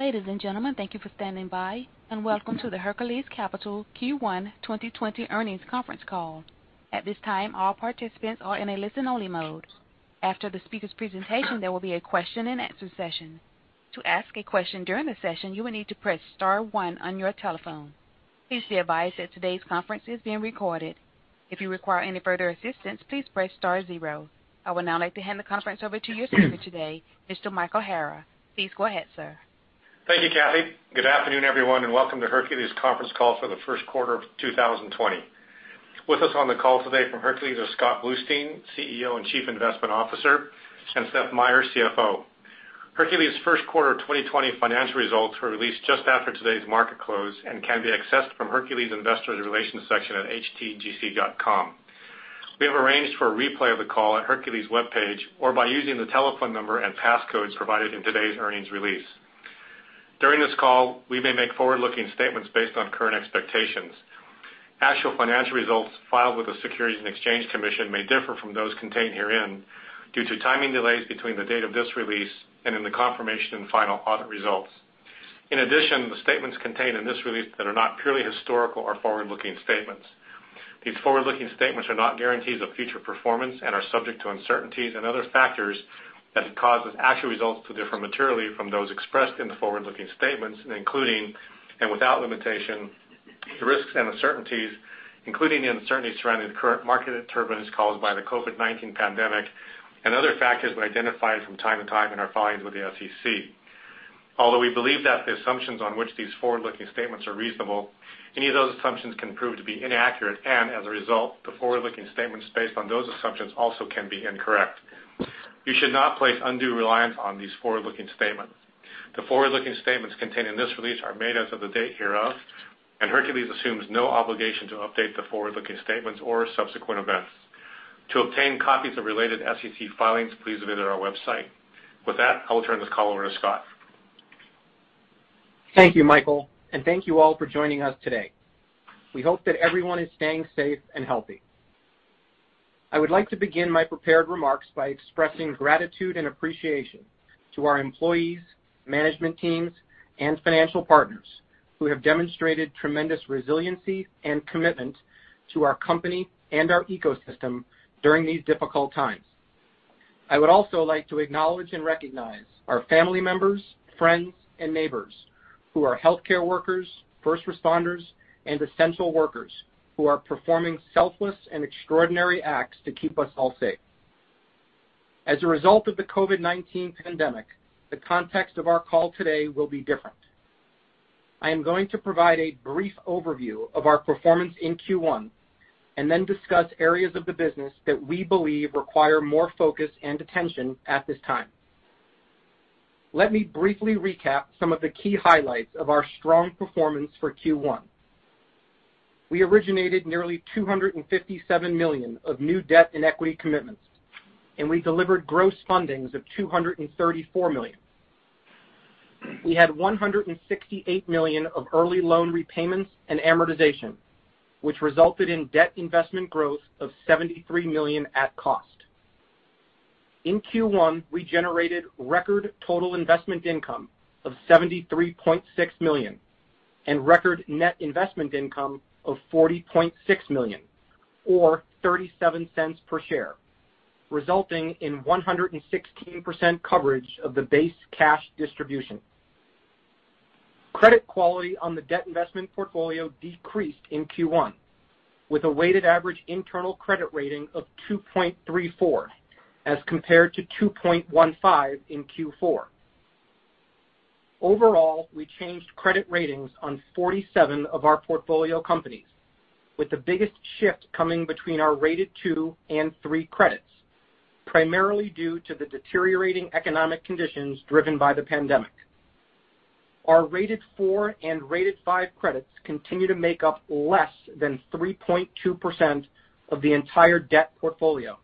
Ladies and gentlemen, thank you for standing by, and welcome to the Hercules Capital Q1 2020 Earnings Conference Call. At this time, all participants are in a listen-only mode. After the speaker's presentation, there will be a question and answer session. To ask a question during the session, you will need to press star one on your telephone. Please be advised that today's conference is being recorded. If you require any further assistance, please press star zero. I would now like to hand the conference over to your speaker today, Mr. Michael Hara. Please go ahead, sir. Thank you, Kathy. Good afternoon, everyone, welcome to Hercules conference call for the first quarter of 2020. With us on the call today from Hercules are Scott Bluestein, CEO and Chief Investment Officer, and Seth Meyer, CFO. Hercules' first quarter 2020 financial results were released just after today's market close and can be accessed from Hercules' investor relations section at htgc.com. We have arranged for a replay of the call at Hercules' webpage or by using the telephone number and passcodes provided in today's earnings release. During this call, we may make forward-looking statements based on current expectations. Actual financial results filed with the Securities and Exchange Commission may differ from those contained herein due to timing delays between the date of this release and in the confirmation and final audit results. In addition, the statements contained in this release that are not purely historical are forward-looking statements. These forward-looking statements are not guarantees of future performance and are subject to uncertainties and other factors that could cause actual results to differ materially from those expressed in the forward-looking statements, including, and without limitation, the risks and uncertainties, including the uncertainty surrounding the current market disturbance caused by the COVID-19 pandemic and other factors we identify from time to time in our filings with the SEC. Although we believe that the assumptions on which these forward-looking statements are reasonable, any of those assumptions can prove to be inaccurate, and as a result, the forward-looking statements based on those assumptions also can be incorrect. You should not place undue reliance on these forward-looking statements. The forward-looking statements contained in this release are made as of the date hereof. Hercules assumes no obligation to update the forward-looking statements or subsequent events. To obtain copies of related SEC filings, please visit our website. With that, I will turn this call over to Scott. Thank you, Michael, and thank you all for joining us today. We hope that everyone is staying safe and healthy. I would like to begin my prepared remarks by expressing gratitude and appreciation to our employees, management teams, and financial partners who have demonstrated tremendous resiliency and commitment to our company and our ecosystem during these difficult times. I would also like to acknowledge and recognize our family members, friends, and neighbors who are healthcare workers, first responders, and essential workers who are performing selfless and extraordinary acts to keep us all safe. As a result of the COVID-19 pandemic, the context of our call today will be different. I am going to provide a brief overview of our performance in Q1 and then discuss areas of the business that we believe require more focus and attention at this time. Let me briefly recap some of the key highlights of our strong performance for Q1. We originated nearly $257 million of new debt and equity commitments, and we delivered gross fundings of $234 million. We had $168 million of early loan repayments and amortization, which resulted in debt investment growth of $73 million at cost. In Q1, we generated record total investment income of $73.6 million and record net investment income of $40.6 million or $0.37 per share, resulting in 116% coverage of the base cash distribution. Credit quality on the debt investment portfolio decreased in Q1 with a weighted average internal credit rating of 2.34 as compared to 2.15 in Q4. Overall, we changed credit ratings on 47 of our portfolio companies, with the biggest shift coming between our rated two and three credits, primarily due to the deteriorating economic conditions driven by the pandemic. Our rated four and rated five credits continue to make up less than 3.2% of the entire debt portfolio.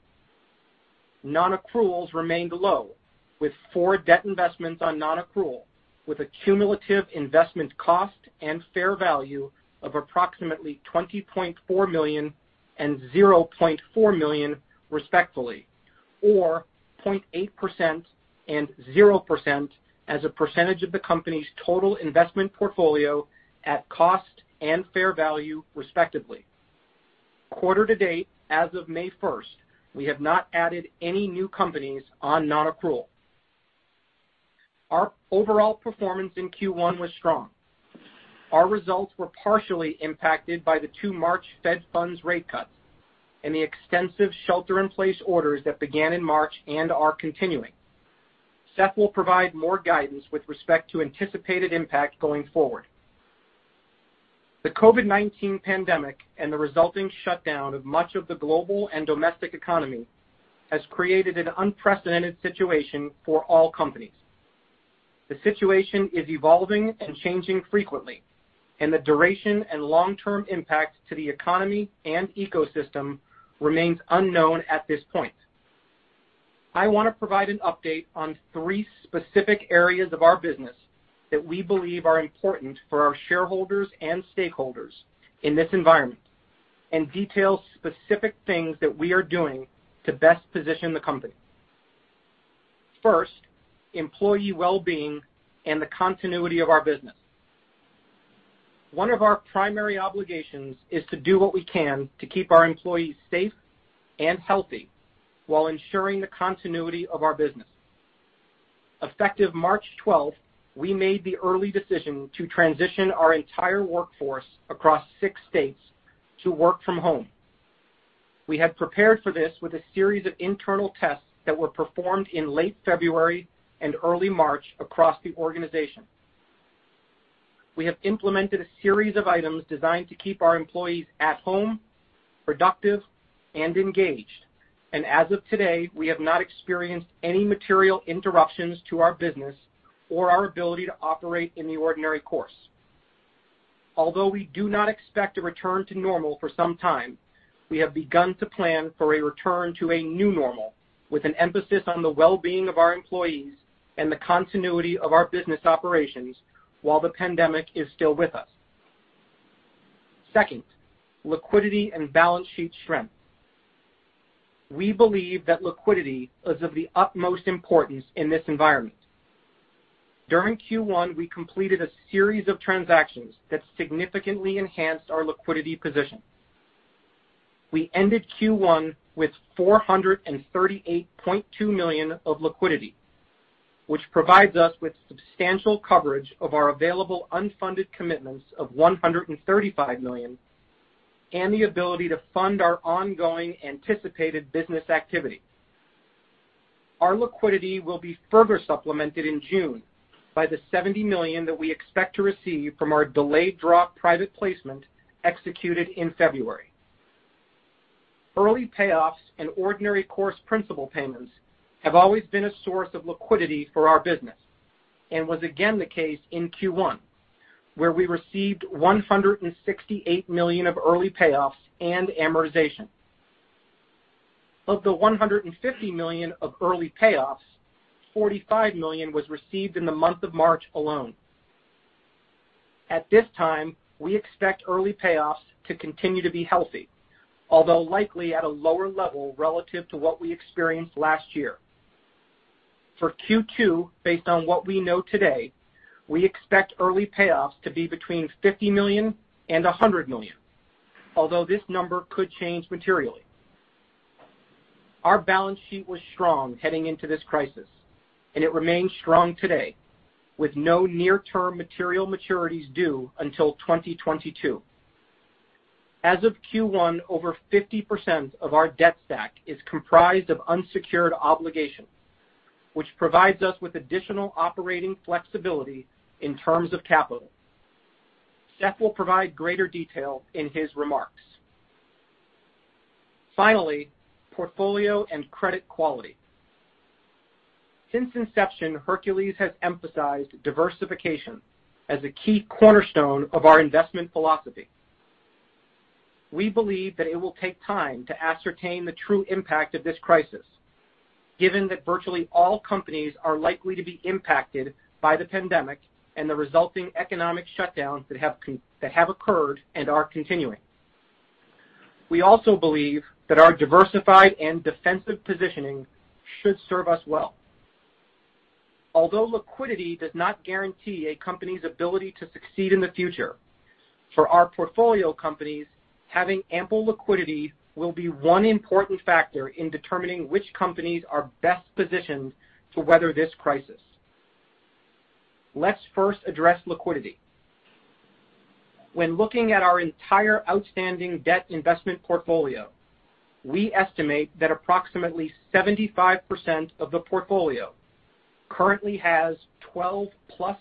Non-accruals remained low, with four debt investments on non-accrual, with a cumulative investment cost and fair value of approximately $20.4 million and $0.4 million respectfully, or 0.8% and 0% as a percentage of the company's total investment portfolio at cost and fair value, respectively. Quarter to date, as of May 1st, we have not added any new companies on non-accrual. Our overall performance in Q1 was strong. Our results were partially impacted by the two March Fed funds rate cuts and the extensive shelter-in-place orders that began in March and are continuing. Seth will provide more guidance with respect to anticipated impact going forward. The COVID-19 pandemic and the resulting shutdown of much of the global and domestic economy has created an unprecedented situation for all companies. The situation is evolving and changing frequently, and the duration and long-term impact to the economy and ecosystem remains unknown at this point. I want to provide an update on three specific areas of our business that we believe are important for our shareholders and stakeholders in this environment and detail specific things that we are doing to best position the company. First, employee wellbeing and the continuity of our business. One of our primary obligations is to do what we can to keep our employees safe and healthy while ensuring the continuity of our business. Effective March 12th, we made the early decision to transition our entire workforce across six states to work from home. We had prepared for this with a series of internal tests that were performed in late February and early March across the organization. We have implemented a series of items designed to keep our employees at home, productive, and engaged. As of today, we have not experienced any material interruptions to our business or our ability to operate in the ordinary course. Although we do not expect a return to normal for some time, we have begun to plan for a return to a new normal, with an emphasis on the wellbeing of our employees and the continuity of our business operations while the pandemic is still with us. Second, liquidity and balance sheet strength. We believe that liquidity is of the utmost importance in this environment. During Q1, we completed a series of transactions that significantly enhanced our liquidity position. We ended Q1 with $438.2 million of liquidity, which provides us with substantial coverage of our available unfunded commitments of $135 million, and the ability to fund our ongoing anticipated business activity. Our liquidity will be further supplemented in June by the $70 million that we expect to receive from our delayed draw private placement executed in February. Early payoffs and ordinary course principal payments have always been a source of liquidity for our business and was again the case in Q1, where we received $168 million of early payoffs and amortization. Of the $150 million of early payoffs, $45 million was received in the month of March alone. At this time, we expect early payoffs to continue to be healthy, although likely at a lower level relative to what we experienced last year. For Q2, based on what we know today, we expect early payoffs to be between $50 million and $100 million, although this number could change materially. Our balance sheet was strong heading into this crisis, and it remains strong today, with no near-term material maturities due until 2022. As of Q1, over 50% of our debt stack is comprised of unsecured obligations, which provides us with additional operating flexibility in terms of capital. Seth will provide greater detail in his remarks. Finally, portfolio and credit quality. Since inception, Hercules has emphasized diversification as a key cornerstone of our investment philosophy. We believe that it will take time to ascertain the true impact of this crisis, given that virtually all companies are likely to be impacted by the pandemic and the resulting economic shutdowns that have occurred and are continuing. We also believe that our diversified and defensive positioning should serve us well. Although liquidity does not guarantee a company's ability to succeed in the future, for our portfolio companies, having ample liquidity will be one important factor in determining which companies are best positioned to weather this crisis. Let's first address liquidity. When looking at our entire outstanding debt investment portfolio, we estimate that approximately 75% of the portfolio currently has 12+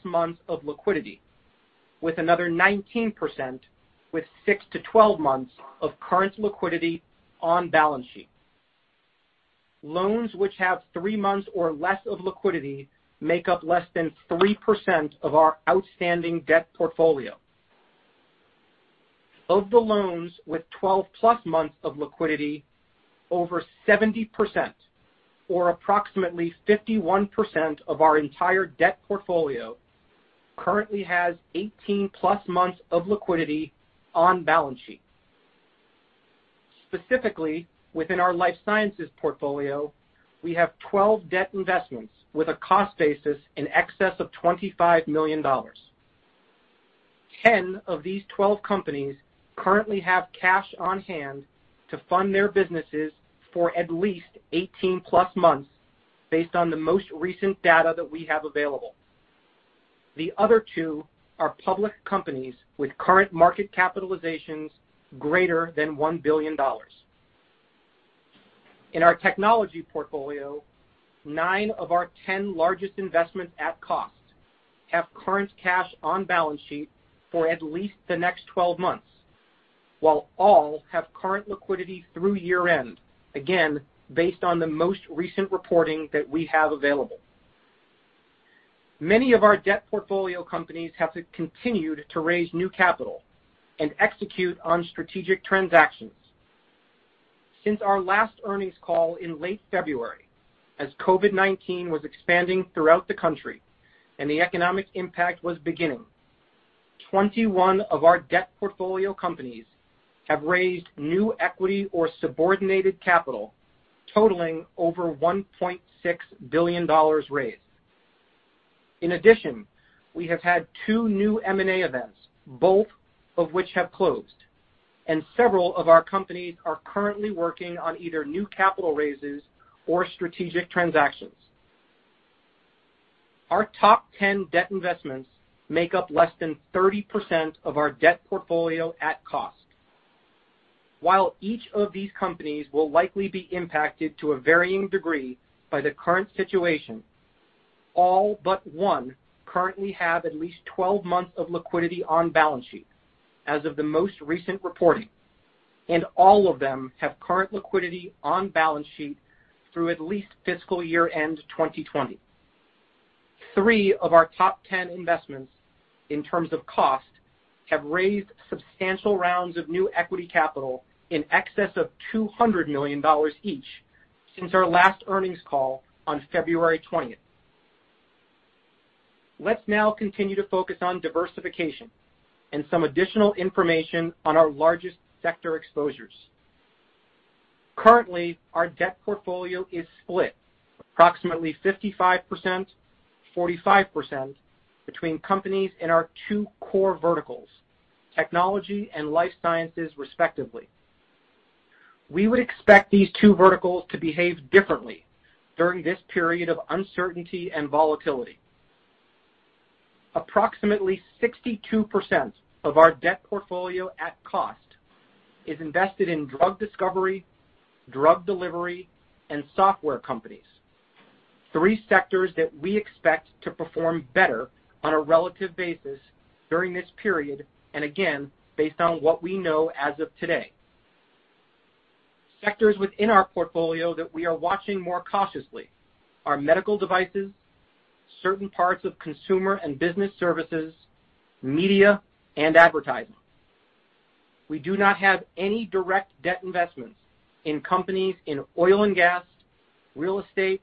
months of liquidity, with another 19% with 6-12 months of current liquidity on balance sheet. Loans which have three months or less of liquidity make up less than 3% of our outstanding debt portfolio. Of the loans with 12+ months of liquidity, over 70%, or approximately 51% of our entire debt portfolio, currently has 18+ months of liquidity on balance sheet. Specifically, within our life sciences portfolio, we have 12 debt investments with a cost basis in excess of $25 million. 10 of these 12 companies currently have cash on hand to fund their businesses for at least 18+ months based on the most recent data that we have available. The other two are public companies with current market capitalizations greater than $1 billion. In our technology portfolio, nine of our 10 largest investments at cost have current cash on balance sheet for at least the next 12 months, while all have current liquidity through year-end, again, based on the most recent reporting that we have available. Many of our debt portfolio companies have continued to raise new capital and execute on strategic transactions. Since our last earnings call in late February, as COVID-19 was expanding throughout the country and the economic impact was beginning, 21 of our debt portfolio companies have raised new equity or subordinated capital totaling over $1.6 billion raised. In addition, we have had two new M&A events, both of which have closed, and several of our companies are currently working on either new capital raises or strategic transactions. Our top 10 debt investments make up less than 30% of our debt portfolio at cost. While each of these companies will likely be impacted to a varying degree by the current situation, all but one currently have at least 12 months of liquidity on balance sheet as of the most recent reporting, and all of them have current liquidity on balance sheet through at least fiscal year-end 2020. Three of our top 10 investments, in terms of cost, have raised substantial rounds of new equity capital in excess of $200 million each since our last earnings call on February 20th. Let's now continue to focus on diversification and some additional information on our largest sector exposures. Currently, our debt portfolio is split approximately 55%, 45% between companies in our two core verticals: technology and life sciences, respectively. We would expect these two verticals to behave differently during this period of uncertainty and volatility. Approximately 62% of our debt portfolio at cost is invested in drug discovery, drug delivery, and software companies, three sectors that we expect to perform better on a relative basis during this period, and again, based on what we know as of today. Sectors within our portfolio that we are watching more cautiously are medical devices, certain parts of consumer and business services, media, and advertising. We do not have any direct debt investments in companies in oil and gas, real estate,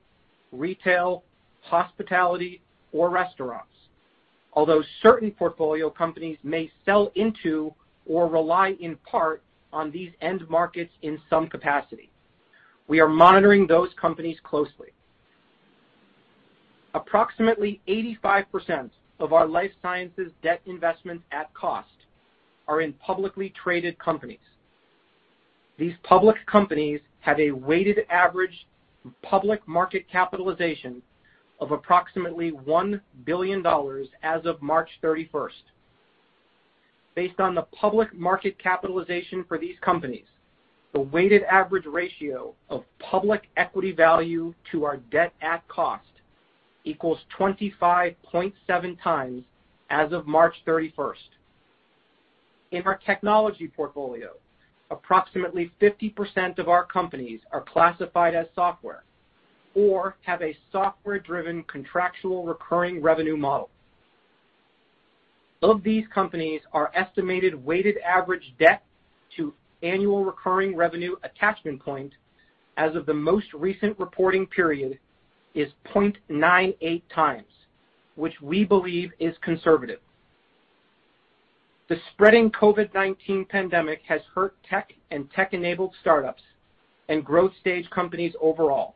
retail, hospitality, or restaurants. Although certain portfolio companies may sell into or rely in part on these end markets in some capacity. We are monitoring those companies closely. Approximately 85% of our life sciences debt investments at cost are in publicly traded companies. These public companies have a weighted average public market capitalization of approximately $1 billion as of March 31st. Based on the public market capitalization for these companies, the weighted average ratio of public equity value to our debt at cost equals 25.7x as of March 31st. In our technology portfolio, approximately 50% of our companies are classified as software or have a software-driven contractual recurring revenue model. Of these companies, our estimated weighted average debt to annual recurring revenue attachment point as of the most recent reporting period is 0.98x, which we believe is conservative. The spreading COVID-19 pandemic has hurt tech and tech-enabled startups and growth stage companies overall,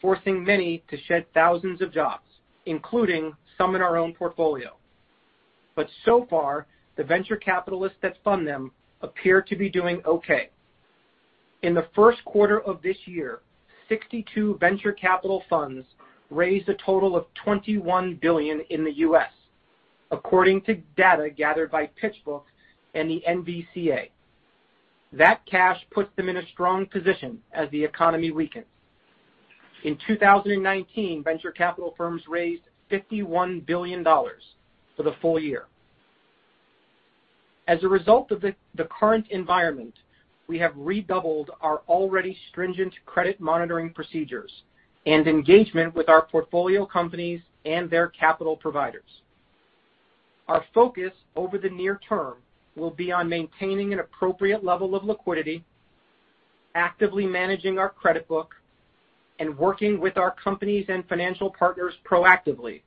forcing many to shed thousands of jobs, including some in our own portfolio. So far, the venture capitalists that fund them appear to be doing okay. In the first quarter of this year, 62 venture capital funds raised a total of $21 billion in the U.S., according to data gathered by PitchBook and the NVCA. That cash puts them in a strong position as the economy weakens. In 2019, venture capital firms raised $51 billion for the full year. As a result of the current environment, we have redoubled our already stringent credit monitoring procedures and engagement with our portfolio companies and their capital providers. Our focus over the near term will be on maintaining an appropriate level of liquidity, actively managing our credit book, and working with our companies and financial partners proactively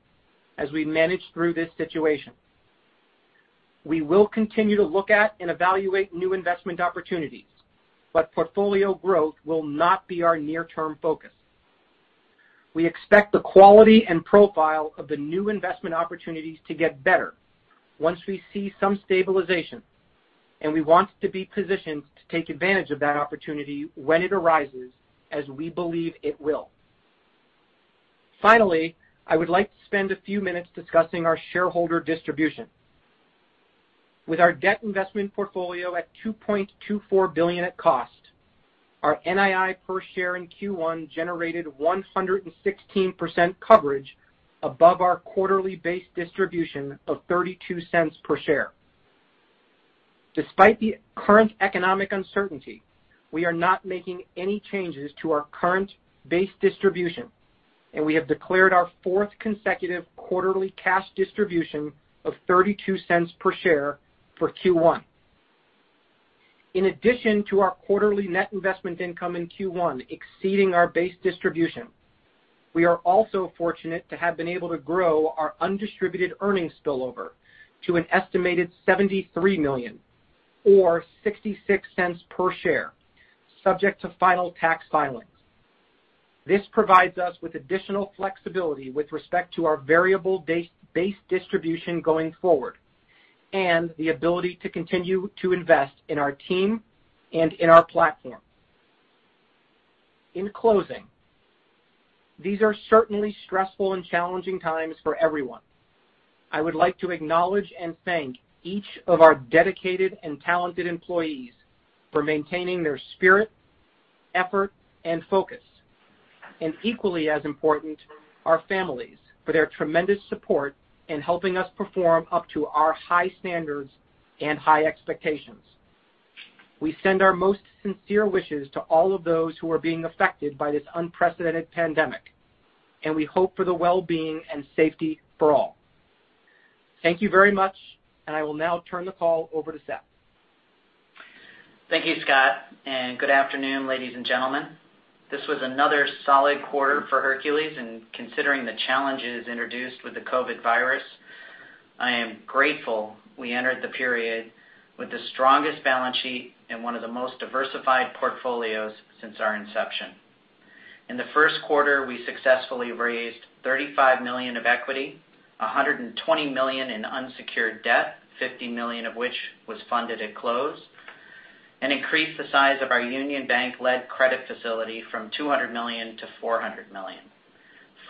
as we manage through this situation. We will continue to look at and evaluate new investment opportunities, but portfolio growth will not be our near-term focus. We expect the quality and profile of the new investment opportunities to get better once we see some stabilization, and we want to be positioned to take advantage of that opportunity when it arises, as we believe it will. Finally, I would like to spend a few minutes discussing our shareholder distribution. With our debt investment portfolio at $2.24 billion at cost, our NII per share in Q1 generated 116% coverage above our quarterly base distribution of $0.32 per share. Despite the current economic uncertainty, we are not making any changes to our current base distribution. We have declared our fourth consecutive quarterly cash distribution of $0.32 per share for Q1. In addition to our quarterly net investment income in Q1 exceeding our base distribution, we are also fortunate to have been able to grow our undistributed earnings spillover to an estimated $73 million or $0.66 per share, subject to final tax filings. This provides us with additional flexibility with respect to our variable-based distribution going forward and the ability to continue to invest in our team and in our platform. In closing, these are certainly stressful and challenging times for everyone. I would like to acknowledge and thank each of our dedicated and talented employees for maintaining their spirit, effort, and focus. Equally as important, our families for their tremendous support in helping us perform up to our high standards and high expectations. We send our most sincere wishes to all of those who are being affected by this unprecedented pandemic, and we hope for the well-being and safety for all. Thank you very much. I will now turn the call over to Seth. Thank you, Scott, and good afternoon, ladies and gentlemen. This was another solid quarter for Hercules, and considering the challenges introduced with the COVID virus, I am grateful we entered the period with the strongest balance sheet and one of the most diversified portfolios since our inception. In the first quarter, we successfully raised $35 million of equity, $120 million in unsecured debt, $50 million of which was funded at close, and increased the size of our Union Bank-led credit facility from $200 million to $400 million,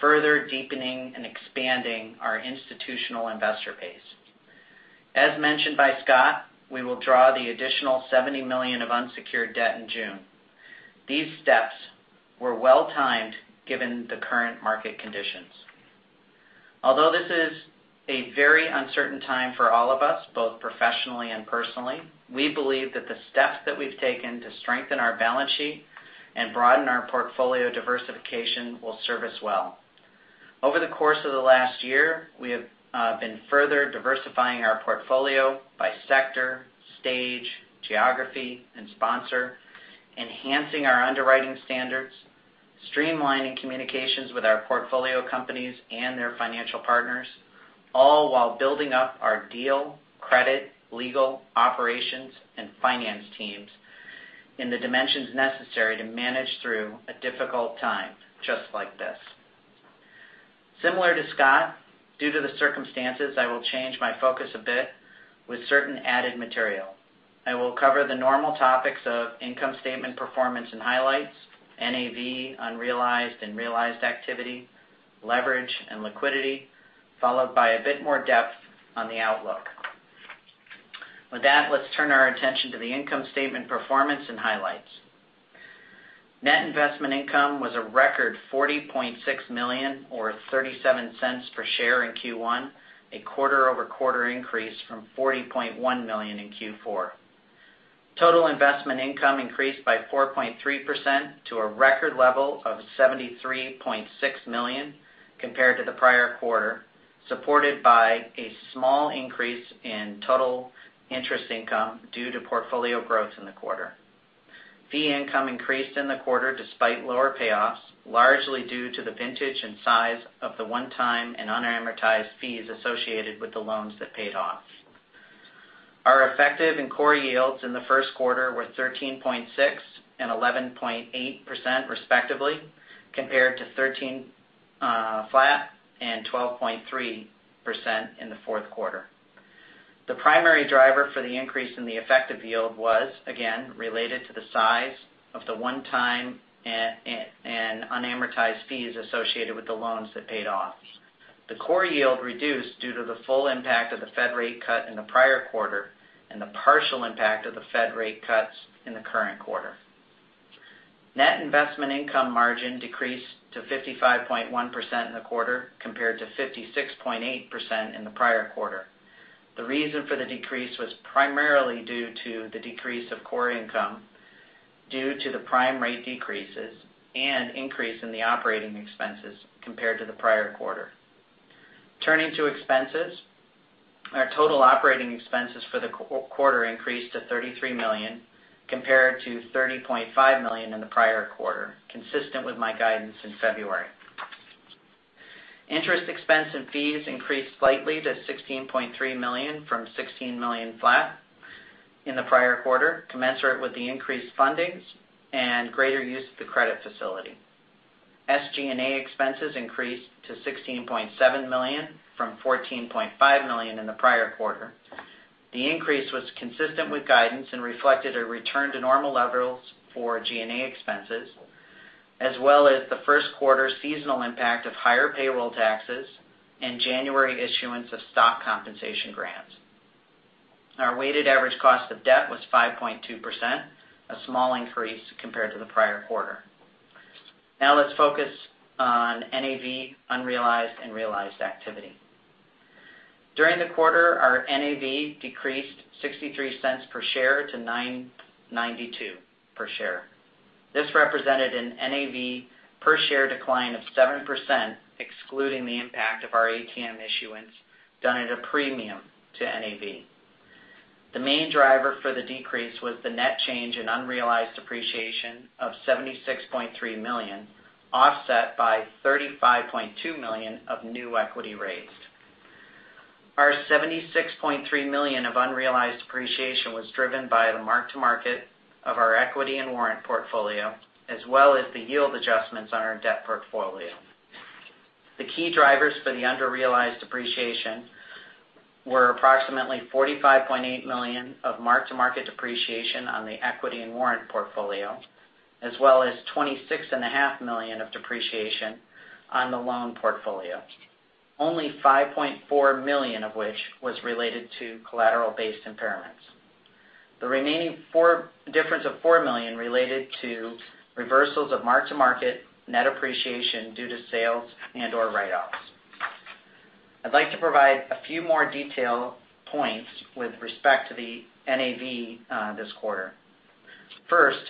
further deepening and expanding our institutional investor base. As mentioned by Scott, we will draw the additional $70 million of unsecured debt in June. These steps were well-timed given the current market conditions. Although this is a very uncertain time for all of us, both professionally and personally, we believe that the steps that we've taken to strengthen our balance sheet and broaden our portfolio diversification will serve us well. Over the course of the last year, we have been further diversifying our portfolio by sector, stage, geography, and sponsor, enhancing our underwriting standards, streamlining communications with our portfolio companies and their financial partners, all while building up our deal, credit, legal, operations, and finance teams in the dimensions necessary to manage through a difficult time just like this. Similar to Scott, due to the circumstances, I will change my focus a bit with certain added material. I will cover the normal topics of income statement performance and highlights, NAV, unrealized and realized activity, leverage, and liquidity, followed by a bit more depth on the outlook. With that, let's turn our attention to the income statement performance and highlights. Net investment income was a record $40.6 million or $0.37 per share in Q1, a quarter-over-quarter increase from $40.1 million in Q4. Total investment income increased by 4.3% to a record level of $73.6 million compared to the prior quarter, supported by a small increase in total interest income due to portfolio growth in the quarter. Fee income increased in the quarter despite lower payoffs, largely due to the vintage and size of the one-time and unamortized fees associated with the loans that paid off. Our effective and core yields in the first quarter were 13.6% and 11.8%, respectively, compared to 13.0% and 12.3% in the fourth quarter. The primary driver for the increase in the effective yield was, again, related to the size of the one-time and unamortized fees associated with the loans that paid off. The core yield reduced due to the full impact of the Fed rate cut in the prior quarter and the partial impact of the Fed rate cuts in the current quarter. Net investment income margin decreased to 55.1% in the quarter, compared to 56.8% in the prior quarter. The reason for the decrease was primarily due to the decrease of core income due to the prime rate decreases and increase in the operating expenses compared to the prior quarter. Turning to expenses. Our total operating expenses for the quarter increased to $33 million, compared to $30.5 million in the prior quarter, consistent with my guidance in February. Interest expense and fees increased slightly to $16.3 million from $16 million flat in the prior quarter, commensurate with the increased fundings and greater use of the credit facility. SG&A expenses increased to $16.7 million from $14.5 million in the prior quarter. The increase was consistent with guidance and reflected a return to normal levels for G&A expenses, as well as the first quarter's seasonal impact of higher payroll taxes and January issuance of stock compensation grants. Our weighted average cost of debt was 5.2%, a small increase compared to the prior quarter. Now let's focus on NAV unrealized and realized activity. During the quarter, our NAV decreased $0.63 per share to $9.92 per share. This represented an NAV per share decline of 7%, excluding the impact of our ATM issuance done at a premium to NAV. The main driver for the decrease was the net change in unrealized depreciation of $76.3 million, offset by $35.2 million of new equity raised. Our $76.3 million of unrealized depreciation was driven by the mark-to-market of our equity and warrant portfolio, as well as the yield adjustments on our debt portfolio. The key drivers for the under-realized depreciation were approximately $45.8 million of mark-to-market depreciation on the equity and warrant portfolio, as well as $26.5 million of depreciation on the loan portfolio. Only $5.4 million of which was related to collateral-based impairments. The remaining difference of $4 million related to reversals of mark-to-market net appreciation due to sales and/or write-offs. I'd like to provide a few more detail points with respect to the NAV this quarter. First,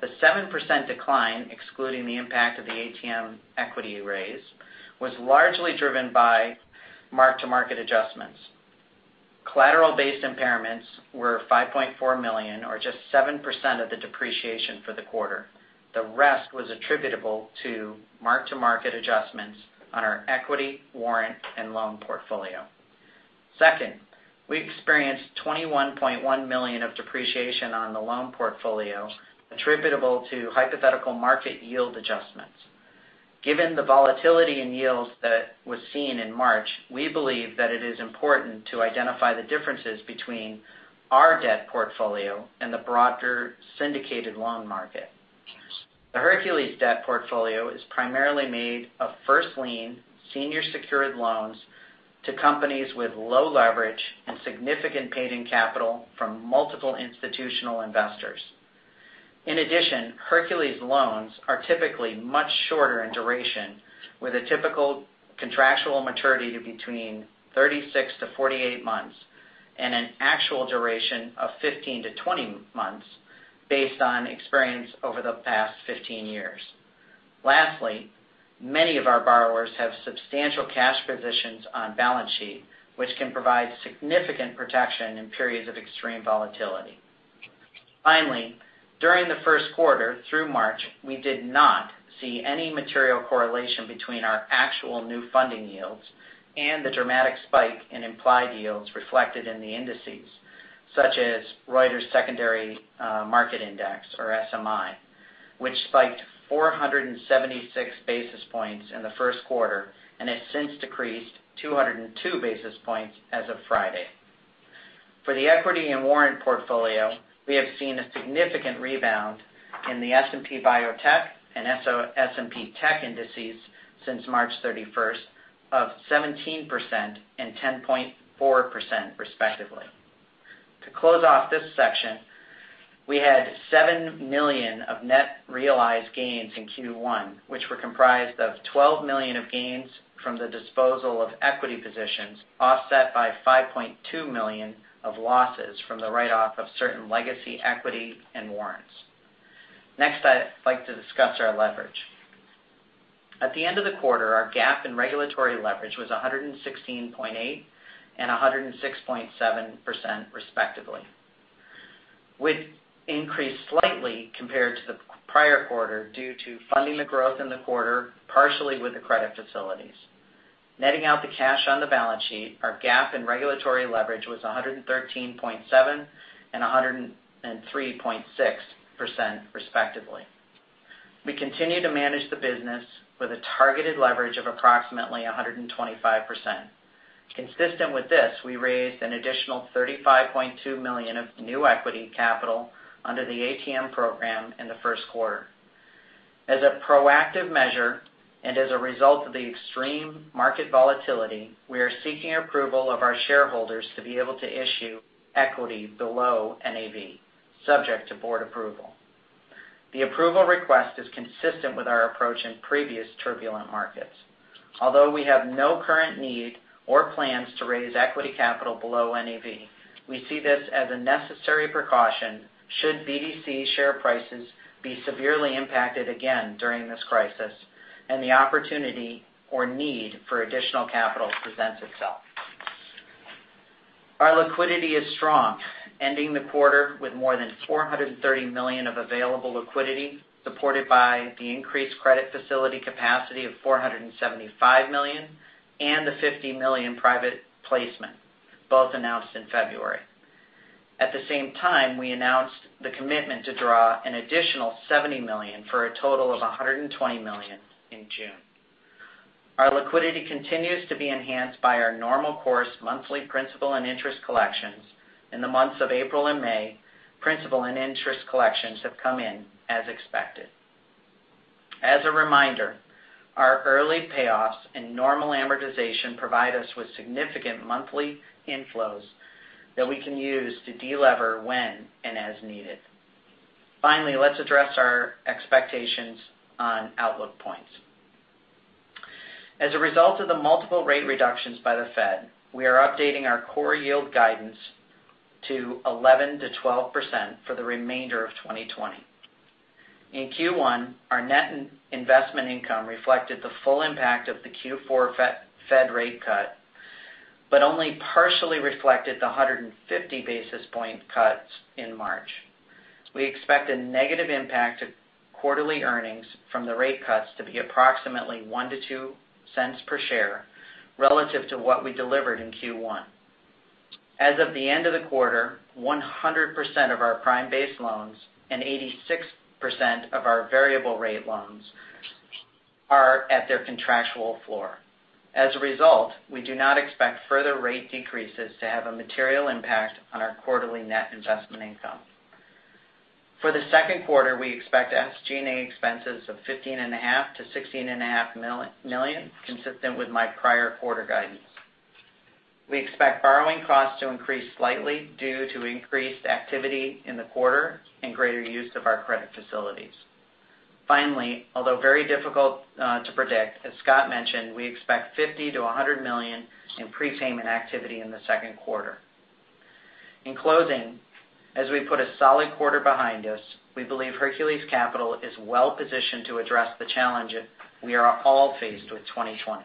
the 7% decline, excluding the impact of the ATM equity raise, was largely driven by mark-to-market adjustments. Collateral-based impairments were $5.4 million or just 7% of the depreciation for the quarter. The rest was attributable to mark-to-market adjustments on our equity, warrant, and loan portfolio. Second, we experienced $21.1 million of depreciation on the loan portfolio attributable to hypothetical market yield adjustments. Given the volatility in yields that was seen in March, we believe that it is important to identify the differences between our debt portfolio and the broader syndicated loan market. The Hercules debt portfolio is primarily made of first lien, senior secured loans to companies with low leverage and significant paid-in capital from multiple institutional investors. In addition, Hercules loans are typically much shorter in duration with a typical contractual maturity to between 36-48 months and an actual duration of 15-20 months based on experience over the past 15 years. Lastly, many of our borrowers have substantial cash positions on balance sheet, which can provide significant protection in periods of extreme volatility. Finally, during the first quarter through March, we did not see any material correlation between our actual new funding yields and the dramatic spike in implied yields reflected in the indices, such as Reuters Secondary Market Index or SMI, which spiked 476 basis points in the first quarter and has since decreased 202 basis points as of Friday. For the equity and warrant portfolio, we have seen a significant rebound in the S&P Biotech and S&P Tech indices since March 31st of 17% and 10.4% respectively. To close off this section, we had $7 million of net realized gains in Q1, which were comprised of $12 million of gains from the disposal of equity positions, offset by $5.2 million of losses from the write-off of certain legacy equity and warrants. Next, I'd like to discuss our leverage. At the end of the quarter, our GAAP and regulatory leverage was 116.8% and 106.7% respectively, with increase slightly compared to the prior quarter due to funding the growth in the quarter, partially with the credit facilities. Netting out the cash on the balance sheet, our GAAP and regulatory leverage was 113.7% and 103.6%, respectively. We continue to manage the business with a targeted leverage of approximately 125%. Consistent with this, we raised an additional $35.2 million of new equity capital under the ATM program in the first quarter. As a proactive measure, as a result of the extreme market volatility, we are seeking approval of our shareholders to be able to issue equity below NAV, subject to board approval. The approval request is consistent with our approach in previous turbulent markets. Although we have no current need or plans to raise equity capital below NAV, we see this as a necessary precaution should BDC share prices be severely impacted again during this crisis and the opportunity or need for additional capital presents itself. Our liquidity is strong, ending the quarter with more than $430 million of available liquidity, supported by the increased credit facility capacity of $475 million and the $50 million private placement, both announced in February. At the same time, we announced the commitment to draw an additional $70 million for a total of $120 million in June. Our liquidity continues to be enhanced by our normal course monthly principal and interest collections. In the months of April and May, principal and interest collections have come in as expected. As a reminder, our early payoffs and normal amortization provide us with significant monthly inflows that we can use to de-lever when and as needed. Finally, let's address our expectations on outlook points. As a result of the multiple rate reductions by the Fed, we are updating our core yield guidance to 11%-12% for the remainder of 2020. In Q1, our net investment income reflected the full impact of the Q4 Fed rate cut, but only partially reflected the 150 basis point cuts in March. We expect a negative impact to quarterly earnings from the rate cuts to be approximately $0.01-$0.02 per share relative to what we delivered in Q1. As of the end of the quarter, 100% of our prime base loans and 86% of our variable rate loans are at their contractual floor. As a result, we do not expect further rate decreases to have a material impact on our quarterly net investment income. For the second quarter, we expect SG&A expenses of $15.5 million-$16.5 million, consistent with my prior quarter guidance. We expect borrowing costs to increase slightly due to increased activity in the quarter and greater use of our credit facilities. Finally, although very difficult to predict, as Scott mentioned, we expect $50 million-$100 million in prepayment activity in the second quarter. In closing, as we put a solid quarter behind us, we believe Hercules Capital is well-positioned to address the challenge we are all faced with 2020.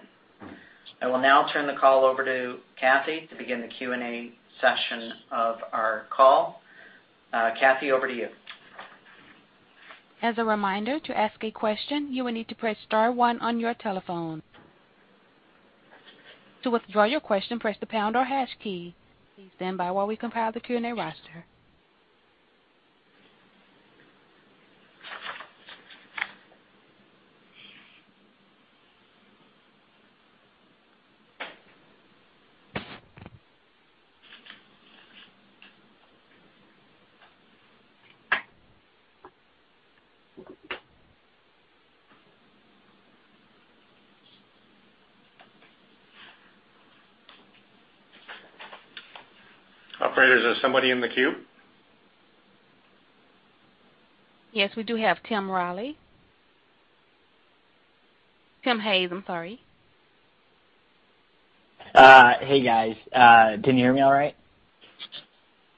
I will now turn the call over to Kathy to begin the Q&A session of our call. Kathy, over to you. As a reminder, to ask a question, you will need to press star one on your telephone. To withdraw your question, press the pound or hash key. Please stand by while we compile the Q&A roster. Operators, is somebody in the queue? Yes, we do have Tim Raleigh. Tim Hayes, I'm sorry. Hey, guys. Can you hear me all right?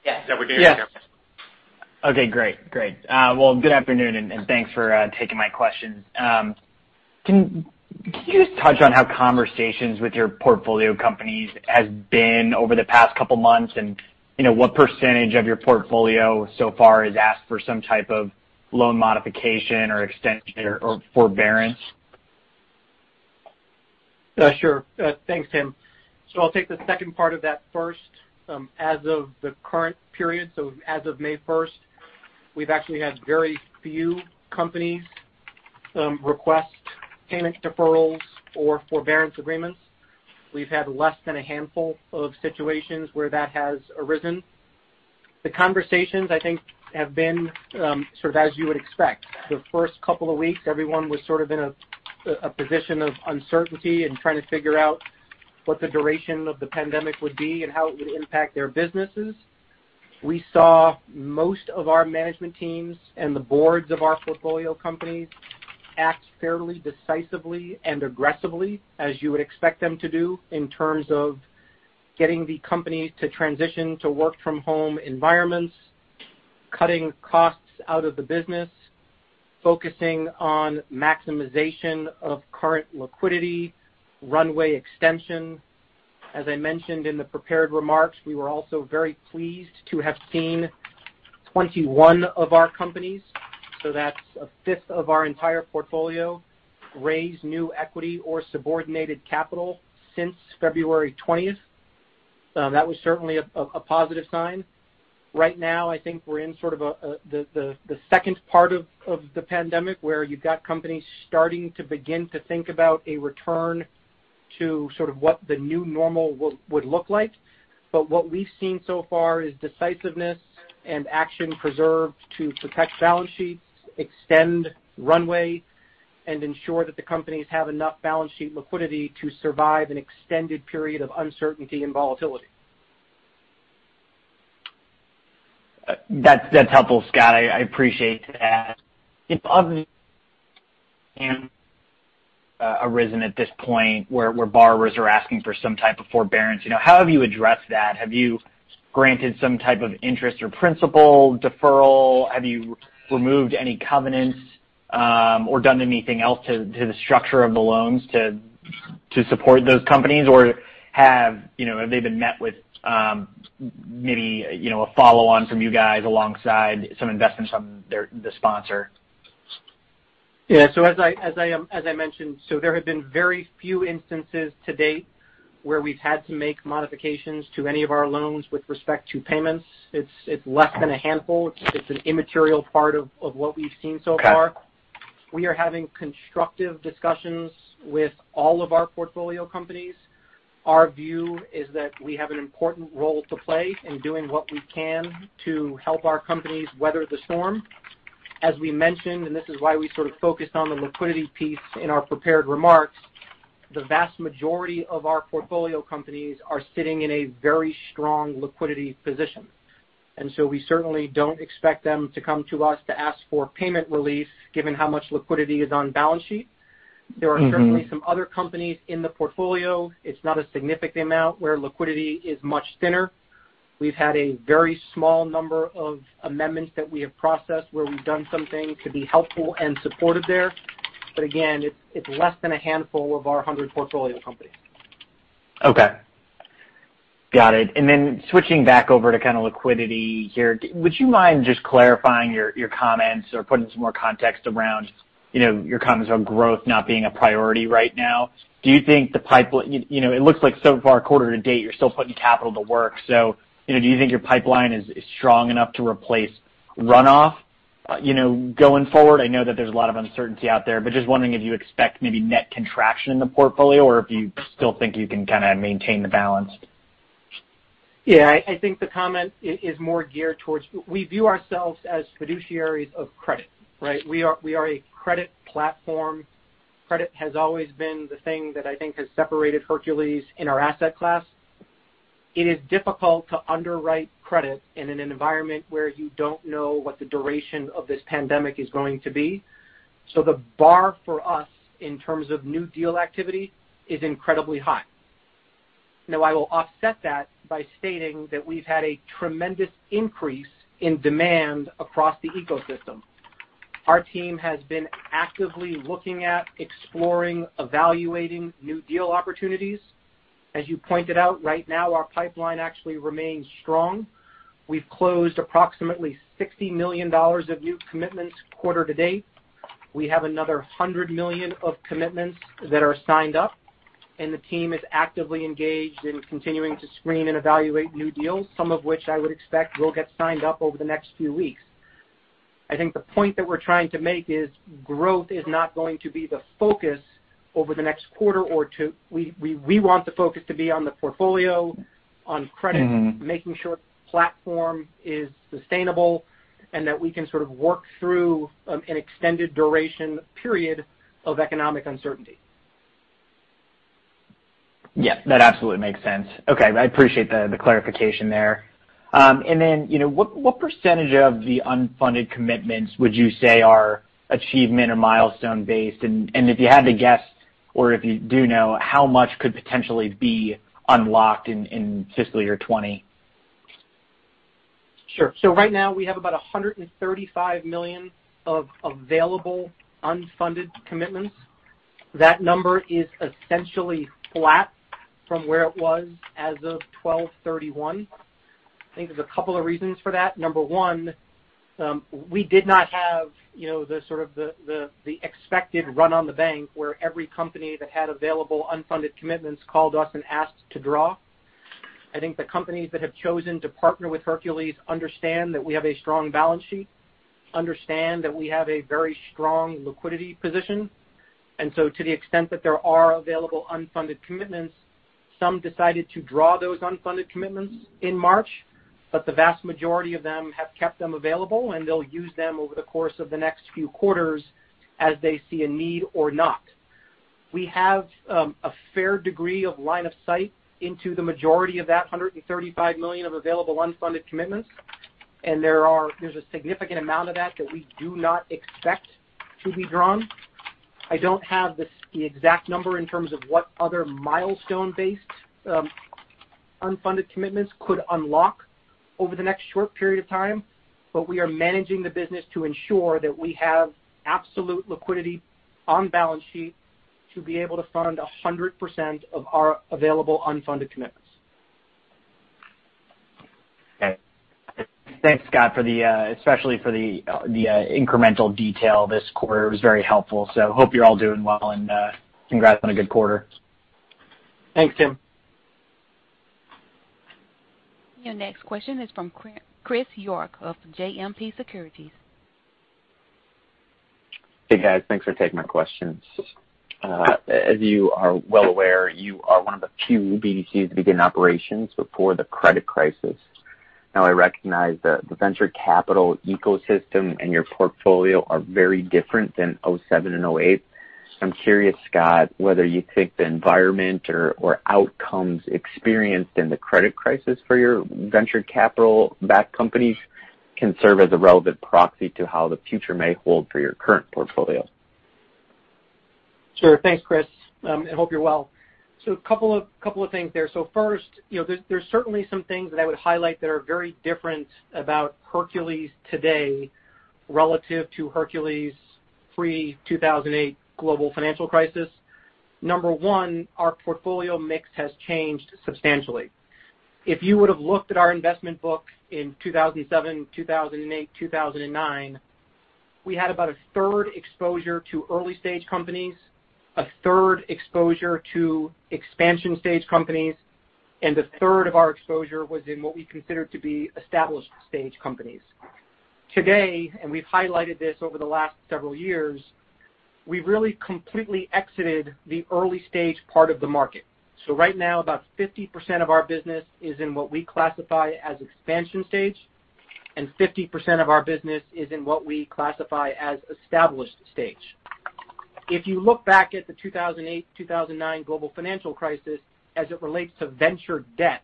Yes. Yeah, we can hear you. Okay, great. Well, good afternoon. Thanks for taking my questions. Can you just touch on how conversations with your portfolio companies has been over the past couple months, and what percentage of your portfolio so far has asked for some type of loan modification or extension or forbearance? Sure. Thanks, Tim. I'll take the second part of that first. As of the current period, so as of May 1st, we've actually had very few companies request payment deferrals or forbearance agreements. We've had less than a handful of situations where that has arisen. The conversations, I think, have been sort of as you would expect. The first couple of weeks, everyone was sort of in a position of uncertainty and trying to figure out what the duration of the pandemic would be and how it would impact their businesses. We saw most of our management teams and the boards of our portfolio companies act fairly decisively and aggressively, as you would expect them to do, in terms of getting the companies to transition to work-from-home environments, cutting costs out of the business, focusing on maximization of current liquidity, runway extension. As I mentioned in the prepared remarks, we were also very pleased to have seen 21 of our companies, so that's a fifth of our entire portfolio, raise new equity or subordinated capital since February 20th. That was certainly a positive sign. Right now, I think we're in sort of the second part of the pandemic, where you've got companies starting to begin to think about a return to sort of what the new normal would look like. What we've seen so far is decisiveness and action preserved to protect balance sheets, extend runway, and ensure that the companies have enough balance sheet liquidity to survive an extended period of uncertainty and volatility. That's helpful, Scott. I appreciate that. Obviously, arisen at this point where borrowers are asking for some type of forbearance. How have you addressed that? Have you granted some type of interest or principal deferral? Have you removed any covenants or done anything else to the structure of the loans to support those companies? Have they been met with maybe a follow-on from you guys alongside some investments from the sponsor? Yeah. As I mentioned, so there have been very few instances to date where we've had to make modifications to any of our loans with respect to payments. It's less than a handful. It's an immaterial part of what we've seen so far. Okay. We are having constructive discussions with all of our portfolio companies. Our view is that we have an important role to play in doing what we can to help our companies weather the storm. As we mentioned, and this is why we sort of focused on the liquidity piece in our prepared remarks. The vast majority of our portfolio companies are sitting in a very strong liquidity position. We certainly don't expect them to come to us to ask for payment release, given how much liquidity is on balance sheet. There are certainly some other companies in the portfolio, it's not a significant amount, where liquidity is much thinner. We've had a very small number of amendments that we have processed where we've done something to be helpful and supportive there. Again, it's less than a handful of our 100 portfolio companies. Okay. Got it. Switching back over to kind of liquidity here, would you mind just clarifying your comments or putting some more context around your comments on growth not being a priority right now? It looks like so far quarter to date, you're still putting capital to work. Do you think your pipeline is strong enough to replace runoff going forward? I know that there's a lot of uncertainty out there, but just wondering if you expect maybe net contraction in the portfolio or if you still think you can kind of maintain the balance. I think the comment is more geared towards, we view ourselves as fiduciaries of credit, right. We are a credit platform. Credit has always been the thing that I think has separated Hercules in our asset class. It is difficult to underwrite credit in an environment where you don't know what the duration of this pandemic is going to be. The bar for us in terms of new deal activity is incredibly high. Now, I will offset that by stating that we've had a tremendous increase in demand across the ecosystem. Our team has been actively looking at exploring, evaluating new deal opportunities. As you pointed out, right now, our pipeline actually remains strong. We've closed approximately $60 million of new commitments quarter to date. We have another $100 million of commitments that are signed up, and the team is actively engaged in continuing to screen and evaluate new deals, some of which I would expect will get signed up over the next few weeks. I think the point that we're trying to make is growth is not going to be the focus over the next quarter or two. We want the focus to be on the portfolio, on credit. Making sure the platform is sustainable and that we can sort of work through an extended duration period of economic uncertainty. Yeah, that absolutely makes sense. Okay. I appreciate the clarification there. What percentage of the unfunded commitments would you say are achievement or milestone based? If you had to guess, or if you do know, how much could potentially be unlocked in fiscal year 2020? Sure. Right now we have about $135 million of available unfunded commitments. That number is essentially flat from where it was as of 12/31. I think there's a couple of reasons for that. Number one, we did not have the sort of the expected run on the bank where every company that had available unfunded commitments called us and asked to draw. I think the companies that have chosen to partner with Hercules understand that we have a strong balance sheet, understand that we have a very strong liquidity position. To the extent that there are available unfunded commitments, some decided to draw those unfunded commitments in March, but the vast majority of them have kept them available, and they'll use them over the course of the next few quarters as they see a need or not. We have a fair degree of line of sight into the majority of that $135 million of available unfunded commitments. There's a significant amount of that that we do not expect to be drawn. I don't have the exact number in terms of what other milestone-based unfunded commitments could unlock over the next short period of time. We are managing the business to ensure that we have absolute liquidity on balance sheet to be able to fund 100% of our available unfunded commitments. Okay. Thanks, Scott, especially for the incremental detail this quarter. It was very helpful. Hope you're all doing well, and congrats on a good quarter. Thanks, Tim. Your next question is from Chris York of JMP Securities. Hey, guys. Thanks for taking my questions. As you are well aware, you are one of the few BDCs to begin operations before the credit crisis. Now, I recognize that the venture capital ecosystem and your portfolio are very different than 2007 and 2008. I'm curious, Scott, whether you think the environment or outcomes experienced in the credit crisis for your venture capital-backed companies can serve as a relevant proxy to how the future may hold for your current portfolio? Sure. Thanks, Chris, and hope you're well. A couple of things there. First, there's certainly some things that I would highlight that are very different about Hercules today relative to Hercules pre-2008 global financial crisis. Number one our portfolio mix has changed substantially. If you would've looked at our investment book in 2007, 2008, 2009, we had about a third exposure to early-stage companies, a third exposure to expansion-stage companies, and a third of our exposure was in what we considered to be established-stage companies. Today, and we've highlighted this over the last several years, we've really completely exited the early-stage part of the market. Right now, about 50% of our business is in what we classify as expansion stage. 50% of our business is in what we classify as established stage. If you look back at the 2008, 2009 global financial crisis as it relates to venture debt,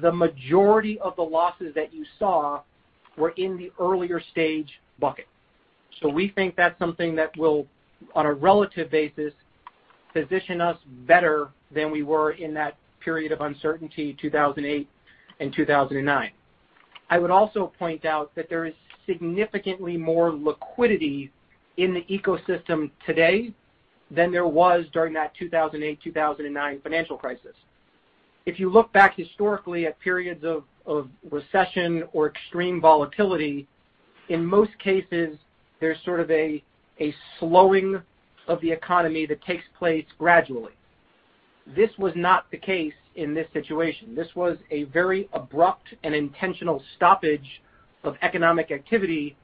the majority of the losses that you saw were in the earlier stage bucket. We think that's something that will, on a relative basis, position us better than we were in that period of uncertainty in 2008 and 2009. I would also point out that there is significantly more liquidity in the ecosystem today than there was during that 2008, 2009 financial crisis. If you look back historically at periods of recession or extreme volatility, in most cases, there's sort of a slowing of the economy that takes place gradually. This was not the case in this situation. This was a very abrupt and intentional stoppage of economic activity,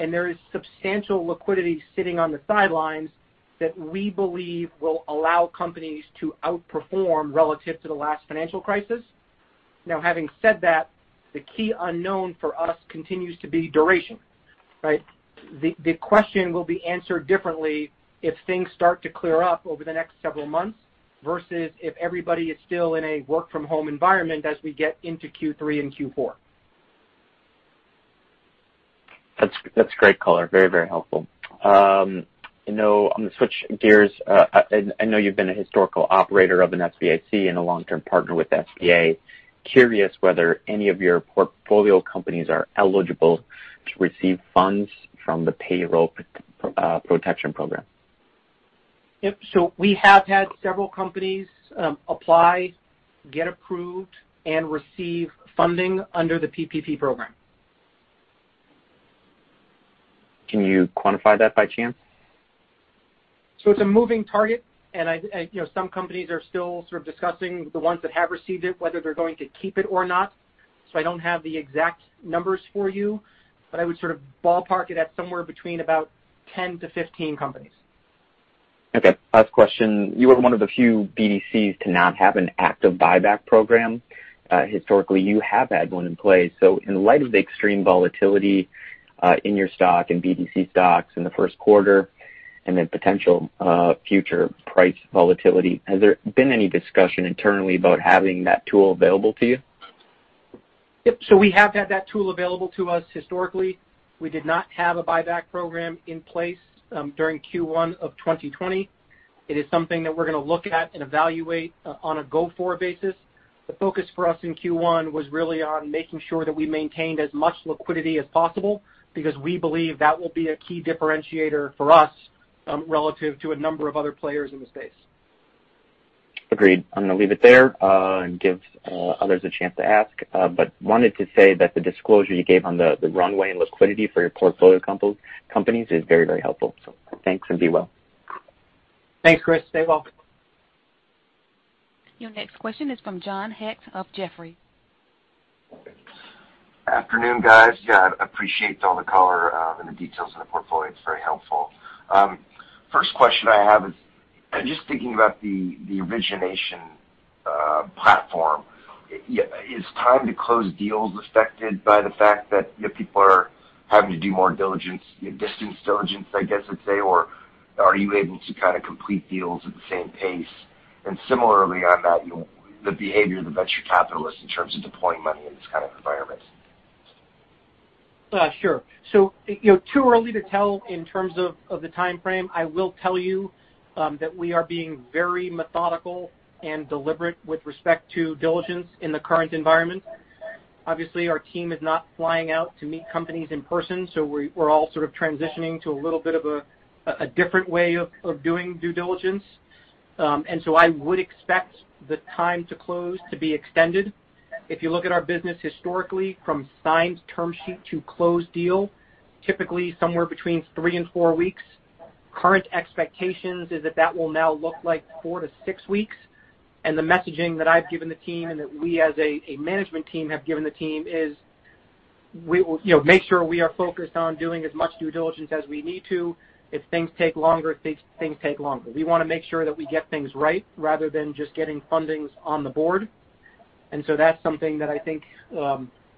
and there is substantial liquidity sitting on the sidelines that we believe will allow companies to outperform relative to the last financial crisis. Having said that, the key unknown for us continues to be duration, right? The question will be answered differently if things start to clear up over the next several months versus if everybody is still in a work-from-home environment as we get into Q3 and Q4. That's great color. Very helpful. I'm going to switch gears. I know you've been a historical operator of an SBIC and a long-term partner with SBA. Curious whether any of your portfolio companies are eligible to receive funds from the Paycheck Protection Program. Yep. We have had several companies apply, get approved, and receive funding under the PPP Program. Can you quantify that by chance? It's a moving target, and some companies are still sort of discussing, the ones that have received it, whether they're going to keep it or not. I don't have the exact numbers for you, but I would sort of ballpark it at somewhere between about 10-15 companies. Okay. Last question. You are one of the few BDCs to not have an active buyback program. Historically, you have had one in place. In light of the extreme volatility, in your stock and BDC stocks in the first quarter, and then potential future price volatility, has there been any discussion internally about having that tool available to you? Yep. We have had that tool available to us historically. We did not have a buyback program in place during Q1 of 2020. It is something that we're going to look at and evaluate on a go-forward basis. The focus for us in Q1 was really on making sure that we maintained as much liquidity as possible because we believe that will be a key differentiator for us, relative to a number of other players in the space. Agreed. I'm going to leave it there, and give others a chance to ask. I wanted to say that the disclosure you gave on the runway and liquidity for your portfolio companies is very helpful. Thanks, and be well. Thanks, Chris. Stay well. Your next question is from John Hecht of Jefferies. Afternoon, guys. Yeah, I appreciate all the color and the details on the portfolio. It's very helpful. First question I have is, just thinking about the origination platform, is time to close deals affected by the fact that people are having to do more diligence, distance diligence, I guess I'd say? Are you able to kind of complete deals at the same pace? Similarly on that, the behavior of the venture capitalists in terms of deploying money in this kind of environment. Sure. Too early to tell in terms of the timeframe. I will tell you that we are being very methodical and deliberate with respect to diligence in the current environment. Obviously, our team is not flying out to meet companies in person, so we're all sort of transitioning to a little bit of a different way of doing due diligence. I would expect the time to close to be extended. If you look at our business historically, from signed term sheet to closed deal, typically somewhere between three and four weeks. Current expectations is that that will now look like four to six weeks. The messaging that I've given the team and that we as a management team have given the team is, make sure we are focused on doing as much due diligence as we need to. If things take longer, things take longer. We want to make sure that we get things right rather than just getting fundings on the board. That's something that I think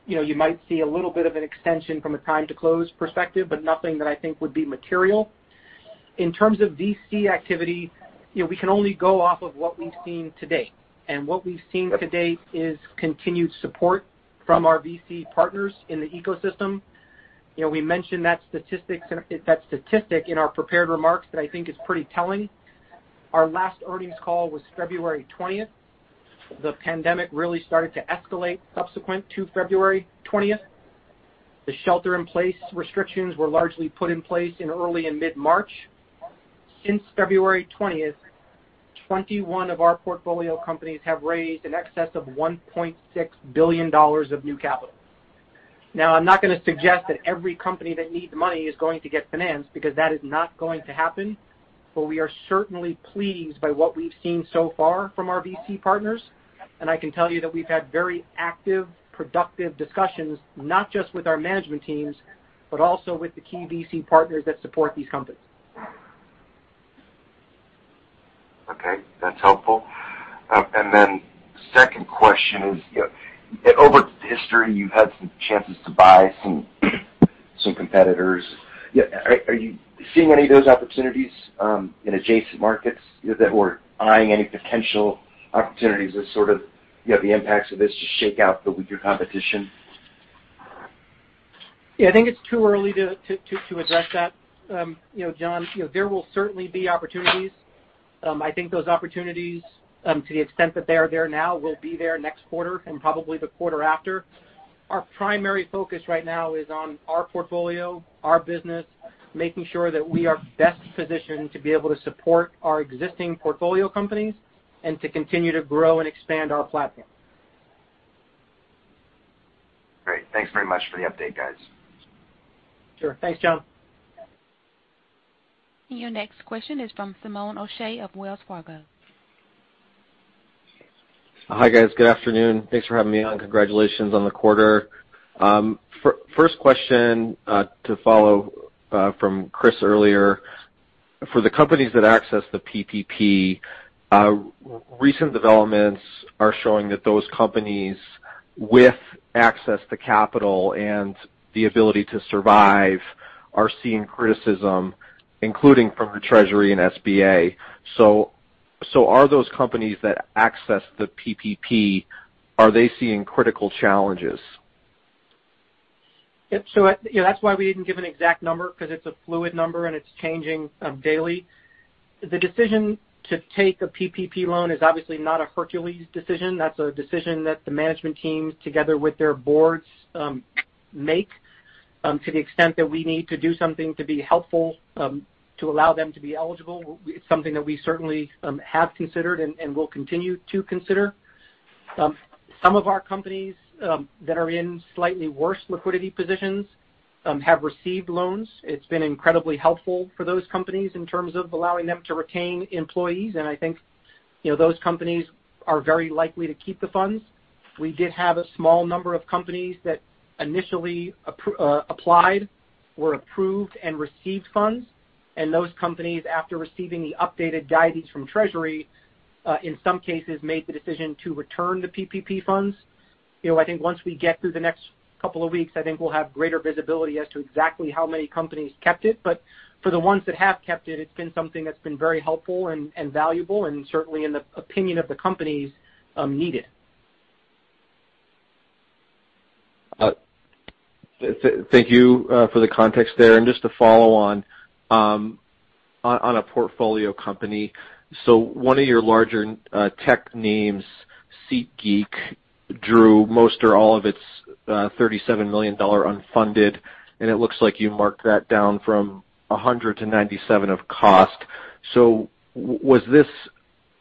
you might see a little bit of an extension from a time to close perspective, but nothing that I think would be material. In terms of VC activity, we can only go off of what we've seen to date. What we've seen to date is continued support from our VC partners in the ecosystem. We mentioned that statistic in our prepared remarks that I think is pretty telling. Our last earnings call was February 20th. The pandemic really started to escalate subsequent to February 20th. The shelter-in-place restrictions were largely put in place in early and mid-March. Since February 20th, 21 of our portfolio companies have raised in excess of $1.6 billion of new capital. I'm not going to suggest that every company that needs money is going to get finance because that is not going to happen. We are certainly pleased by what we've seen so far from our VC partners, and I can tell you that we've had very active, productive discussions, not just with our management teams, but also with the key VC partners that support these companies. Okay. That's helpful. Second question is, over history, you've had some chances to buy some competitors. Are you seeing any of those opportunities in adjacent markets that were eyeing any potential opportunities as sort of the impacts of this to shake out the weaker competition? I think it's too early to address that. John, there will certainly be opportunities. I think those opportunities, to the extent that they are there now, will be there next quarter and probably the quarter after. Our primary focus right now is on our portfolio, our business, making sure that we are best positioned to be able to support our existing portfolio companies, and to continue to grow and expand our platform. Great. Thanks very much for the update, guys. Sure. Thanks, John. Your next question is from Finian O'Shea of Wells Fargo. Hi, guys. Good afternoon. Thanks for having me on. Congratulations on the quarter. First question to follow from Chris earlier. For the companies that access the PPP, recent developments are showing that those companies with access to capital and the ability to survive are seeing criticism, including from the Treasury and SBA. Are those companies that access the PPP, are they seeing critical challenges? Yeah, that's why we didn't give an exact number, because it's a fluid number and it's changing daily. The decision to take a PPP loan is obviously not a Hercules decision. That's a decision that the management teams, together with their boards, make. To the extent that we need to do something to be helpful to allow them to be eligible, it's something that we certainly have considered and will continue to consider. Some of our companies that are in slightly worse liquidity positions have received loans. It's been incredibly helpful for those companies in terms of allowing them to retain employees, and I think those companies are very likely to keep the funds. We did have a small number of companies that initially applied, were approved, and received funds, and those companies, after receiving the updated guidance from Treasury, in some cases, made the decision to return the PPP funds. I think once we get through the next couple of weeks, I think we'll have greater visibility as to exactly how many companies kept it. For the ones that have kept it's been something that's been very helpful and valuable and certainly in the opinion of the companies, needed. Thank you for the context there. Just to follow on a portfolio company. One of your larger tech names, SeatGeek, drew most or all of its $37 million unfunded, and it looks like you marked that down from 100 to 97 of cost. Was this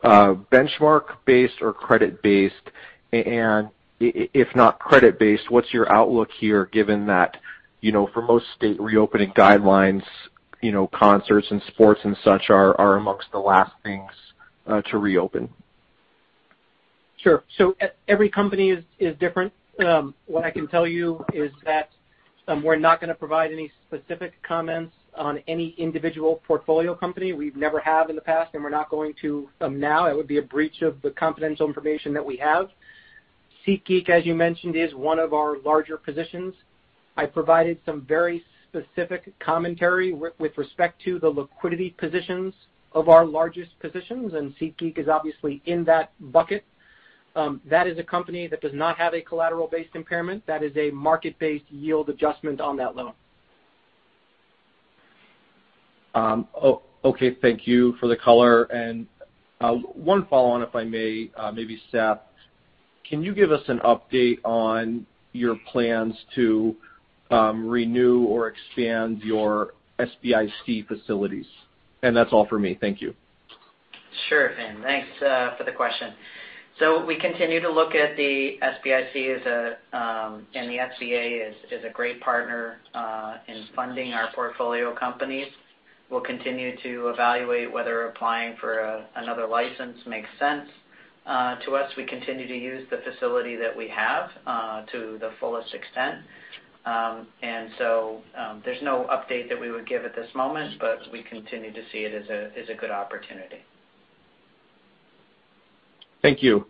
benchmark based or credit based? If not credit based, what's your outlook here, given that for most state reopening guidelines, concerts and sports and such are amongst the last things to reopen? Sure. Every company is different. What I can tell you is that we're not going to provide any specific comments on any individual portfolio company. We never have in the past, and we're not going to now. It would be a breach of the confidential information that we have. SeatGeek, as you mentioned, is one of our larger positions. I provided some very specific commentary with respect to the liquidity positions of our largest positions, and SeatGeek is obviously in that bucket. That is a company that does not have a collateral-based impairment. That is a market-based yield adjustment on that loan. Okay. Thank you for the color. One follow-on, if I may. Maybe Seth, can you give us an update on your plans to renew or expand your SBIC facilities? That's all for me. Thank you. Sure, Fin. Thanks for the question. We continue to look at the SBIC, and the SBA is a great partner in funding our portfolio companies. We'll continue to evaluate whether applying for another license makes sense to us. We continue to use the facility that we have to the fullest extent. There's no update that we would give at this moment, but we continue to see it as a good opportunity. Thank you.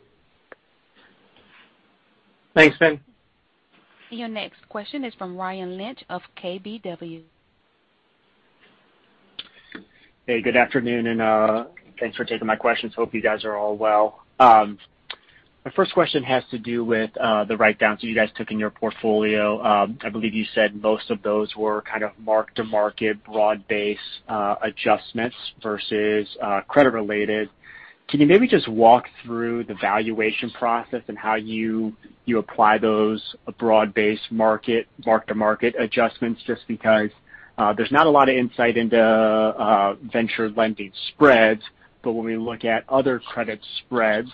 Thanks, Fin. Your next question is from Ryan Lynch of KBW. Good afternoon, thanks for taking my questions. Hope you guys are all well. My first question has to do with the write-downs that you guys took in your portfolio. I believe you said most of those were kind of mark-to-market, broad-based adjustments versus credit related. Can you maybe just walk through the valuation process and how you apply those broad-based mark-to-market adjustments just because there's not a lot of insight into venture lending spreads, but when we look at other credit spreads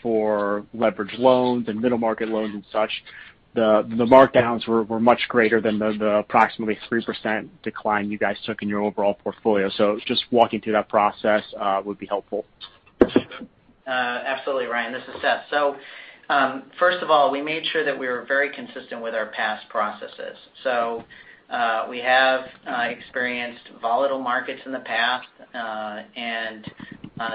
for leveraged loans and middle market loans and such, the markdowns were much greater than the approximately 3% decline you guys took in your overall portfolio. Just walking through that process would be helpful. Absolutely, Ryan. This is Seth. First of all, we made sure that we were very consistent with our past processes. We have experienced volatile markets in the past, and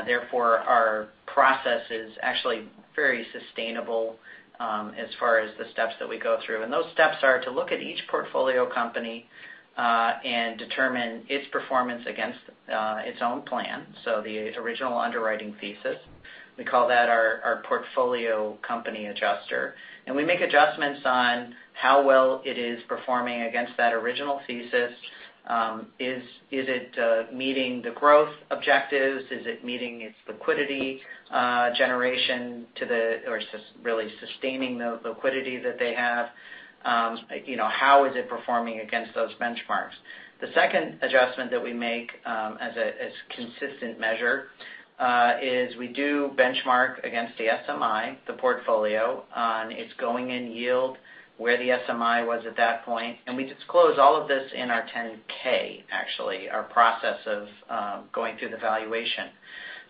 therefore, our process is actually very sustainable as far as the steps that we go through. Those steps are to look at each portfolio company, and determine its performance against its own plan. The original underwriting thesis. We call that our portfolio company adjuster. We make adjustments on how well it is performing against that original thesis. Is it meeting the growth objectives? Is it meeting its liquidity generation or really sustaining the liquidity that they have? How is it performing against those benchmarks? The second adjustment that we make as consistent measure, is we do benchmark against the SMI, the portfolio, on its going in yield where the SMI was at that point. We disclose all of this in our 10-K, actually, our process of going through the valuation.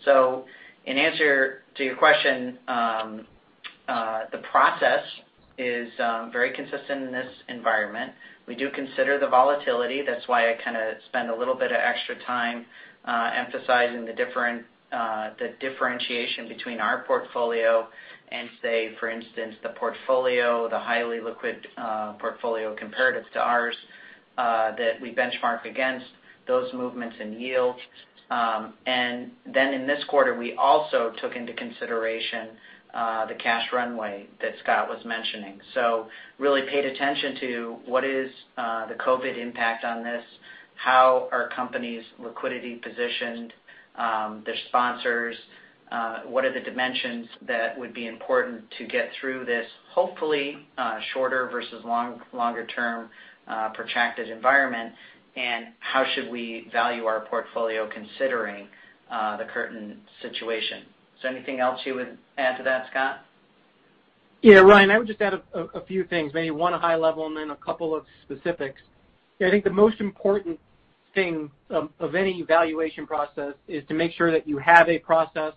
In answer to your question, the process is very consistent in this environment. We do consider the volatility. That's why I kind of spend a little bit of extra time emphasizing the differentiation between our portfolio and say, for instance, the portfolio, the highly liquid portfolio comparative to ours, that we benchmark against those movements in yield. Then in this quarter, we also took into consideration the cash runway that Scott was mentioning. Really paid attention to what is the COVID-19 impact on this, how are companies' liquidity positioned, their sponsors, what are the dimensions that would be important to get through this, hopefully, shorter versus longer term, protracted environment, and how should we value our portfolio considering the current situation. Is there anything else you would add to that, Scott? Yeah, Ryan, I would just add a few things. Maybe one high level and then a couple of specifics. I think the most important thing of any valuation process is to make sure that you have a process,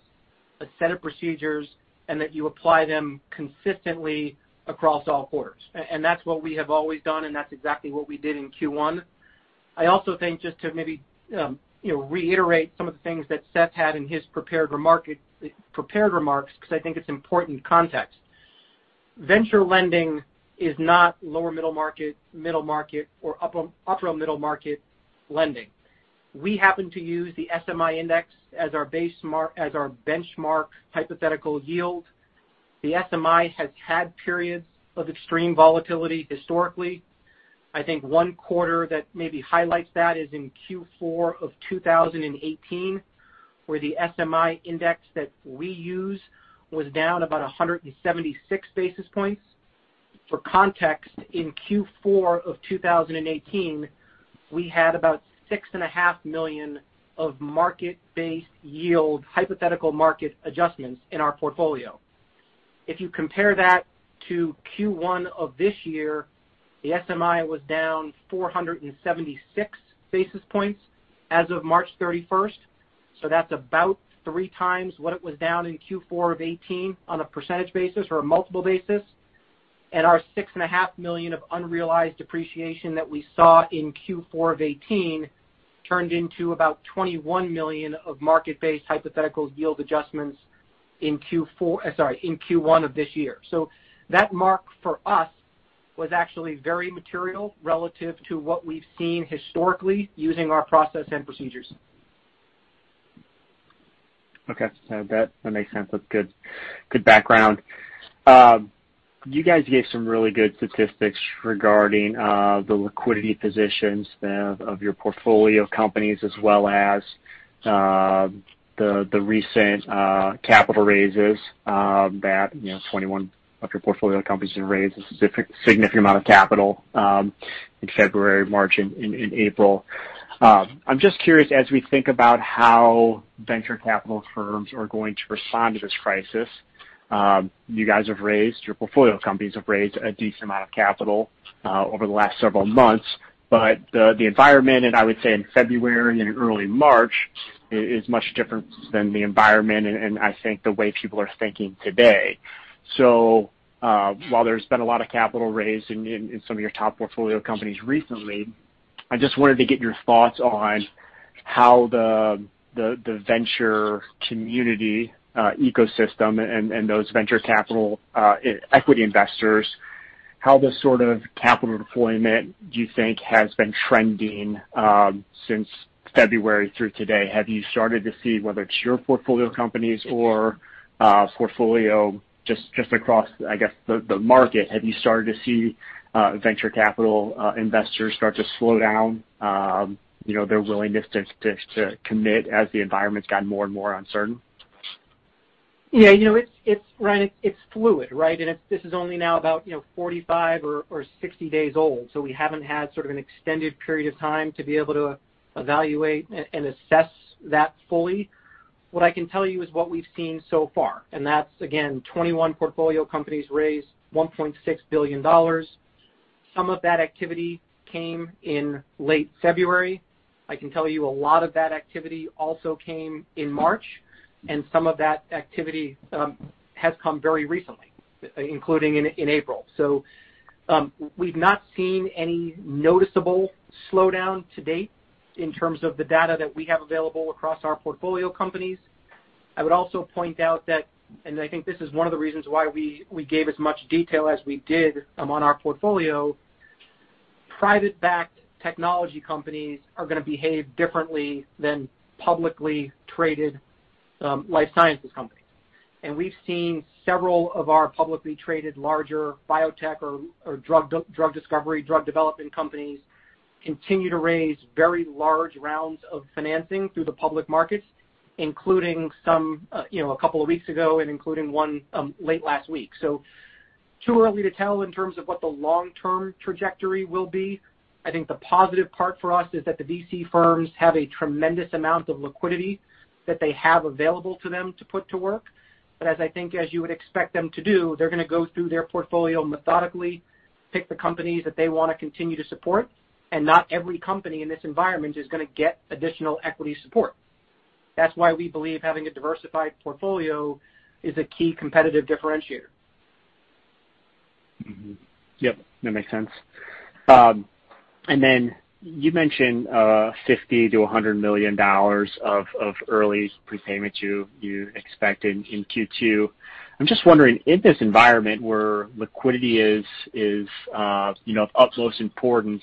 a set of procedures, and that you apply them consistently across all quarters. That's what we have always done, and that's exactly what we did in Q1. I also think just to maybe reiterate some of the things that Seth had in his prepared remarks because I think it's important context. Venture lending is not lower middle market, middle market, or upper middle market lending. We happen to use the SMI index as our benchmark hypothetical yield. The SMI has had periods of extreme volatility historically. I think one quarter that maybe highlights that is in Q4 of 2018, where the SMI index that we use was down about 176 basis points. For context, in Q4 of 2018, we had about $6.5 million of market-based yield hypothetical market adjustments in our portfolio. If you compare that to Q1 of this year, the SMI was down 476 basis points as of March 31st. That's about 3x what it was down in Q4 of 2018 on a percentage basis or a multiple basis. Our $6.5 million of unrealized depreciation that we saw in Q4 of 2018 turned into about $21 million of market-based hypothetical yield adjustments in Q1 of this year. That mark for us was actually very material relative to what we've seen historically using our process and procedures. Okay. That makes sense. That's good background. You guys gave some really good statistics regarding the liquidity positions of your portfolio companies as well as the recent capital raises that 21 of your portfolio companies have raised a significant amount of capital in February, March, and April. I am just curious, as we think about how venture capital firms are going to respond to this crisis. Your portfolio companies have raised a decent amount of capital over the last several months. The environment, and I would say in February and in early March, is much different than the environment and I think the way people are thinking today. While there's been a lot of capital raised in some of your top portfolio companies recently, I just wanted to get your thoughts on how the venture community ecosystem and those venture capital equity investors, how the sort of capital deployment do you think has been trending since February through today? Have you started to see whether it's your portfolio companies or portfolio just across, I guess the market, have you started to see venture capital investors start to slow down their willingness to commit as the environment's gotten more and more uncertain? Ryan, it's fluid, right? This is only now about 45 or 60 days old. We haven't had sort of an extended period of time to be able to evaluate and assess that fully. What I can tell you is what we've seen so far. That's, again, 21 portfolio companies raised $1.6 billion. Some of that activity came in late February. I can tell you a lot of that activity also came in March. Some of that activity has come very recently, including in April. We've not seen any noticeable slowdown to date in terms of the data that we have available across our portfolio companies. I would also point out that, and I think this is one of the reasons why we gave as much detail as we did on our portfolio, private-backed technology companies are going to behave differently than publicly traded life sciences companies. We've seen several of our publicly traded larger biotech or drug discovery, drug development companies continue to raise very large rounds of financing through the public markets, including some a couple of weeks ago and including one late last week. Too early to tell in terms of what the long-term trajectory will be. I think the positive part for us is that the VC firms have a tremendous amount of liquidity that they have available to them to put to work. As I think as you would expect them to do, they're going to go through their portfolio methodically, pick the companies that they want to continue to support, and not every company in this environment is going to get additional equity support. That's why we believe having a diversified portfolio is a key competitive differentiator. Yep, that makes sense. You mentioned $50 million-$100 million of early prepayment you expect in Q2. I'm just wondering, in this environment where liquidity is of utmost importance,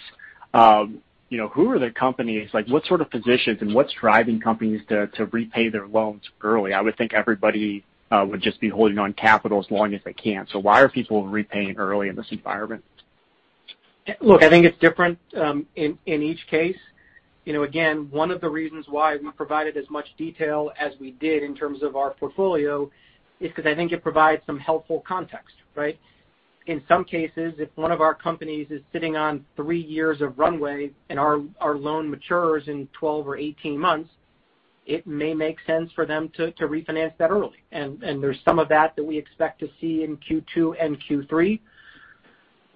who are the companies? What sort of positions and what's driving companies to repay their loans early? I would think everybody would just be holding on capital as long as they can. Why are people repaying early in this environment? Look, I think it's different in each case. Again, one of the reasons why we provided as much detail as we did in terms of our portfolio is because I think it provides some helpful context, right? In some cases, if one of our companies is sitting on three years of runway and our loan matures in 12 or 18 months, it may make sense for them to refinance that early, and there's some of that that we expect to see in Q2 and Q3.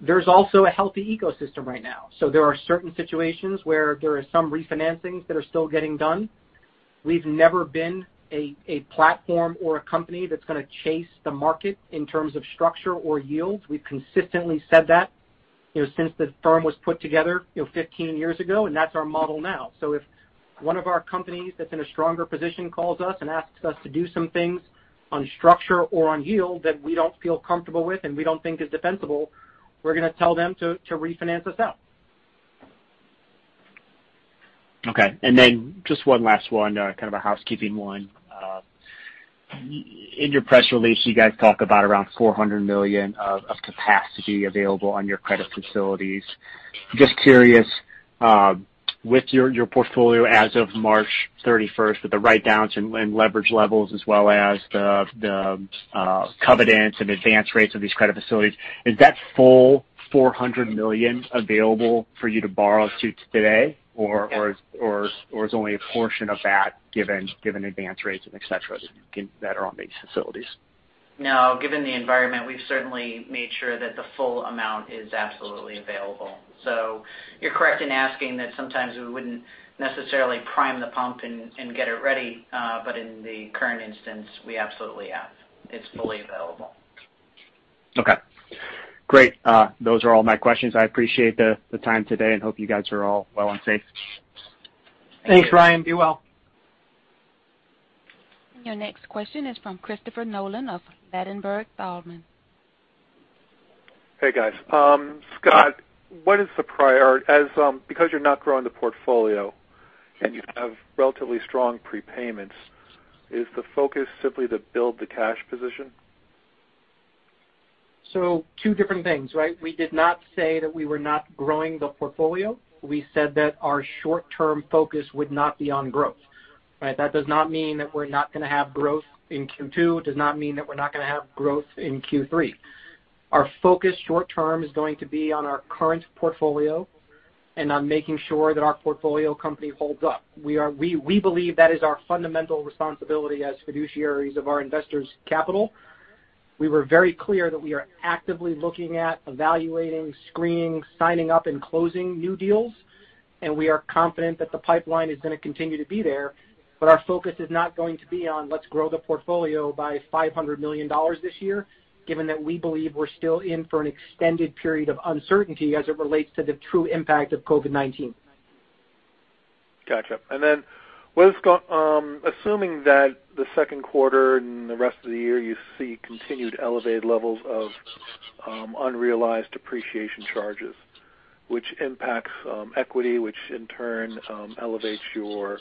There's also a healthy ecosystem right now. There are certain situations where there are some refinancings that are still getting done. We've never been a platform or a company that's going to chase the market in terms of structure or yields. We've consistently said that since the firm was put together 15 years ago, and that's our model now. If one of our companies that's in a stronger position calls us and asks us to do some things on structure or on yield that we don't feel comfortable with and we don't think is defensible, we're going to tell them to refinance us out. Okay. Just one last one, kind of a housekeeping one. In your press release, you guys talk about around $400 million of capacity available on your credit facilities. Just curious, with your portfolio as of March 31st, with the write-downs and leverage levels, as well as the covenants and advance rates of these credit facilities, is that full $400 million available for you to borrow today? Is only a portion of that given advance rates and et cetera, that are on these facilities? No, given the environment, we've certainly made sure that the full amount is absolutely available. You're correct in asking that sometimes we wouldn't necessarily prime the pump and get it ready. In the current instance, we absolutely have. It's fully available. Okay. Great. Those are all my questions. I appreciate the time today and hope you guys are all well and safe. Thanks, Ryan. Be well. Your next question is from Christopher Nolan of Ladenburg Thalmann. Hey, guys. Scott, what is the priority? Because you're not growing the portfolio and you have relatively strong prepayments, is the focus simply to build the cash position? Two different things, right? We did not say that we were not growing the portfolio. We said that our short-term focus would not be on growth, right? That does not mean that we're not going to have growth in Q2. It does not mean that we're not going to have growth in Q3. Our focus short-term is going to be on our current portfolio and on making sure that our portfolio company holds up. We believe that is our fundamental responsibility as fiduciaries of our investors' capital. We were very clear that we are actively looking at evaluating, screening, signing up, and closing new deals, and we are confident that the pipeline is going to continue to be there. Our focus is not going to be on let's grow the portfolio by $500 million this year, given that we believe we're still in for an extended period of uncertainty as it relates to the true impact of COVID-19. Gotcha. Well, Scott, assuming that the second quarter and the rest of the year you see continued elevated levels of unrealized depreciation charges which impacts equity, which in turn elevates your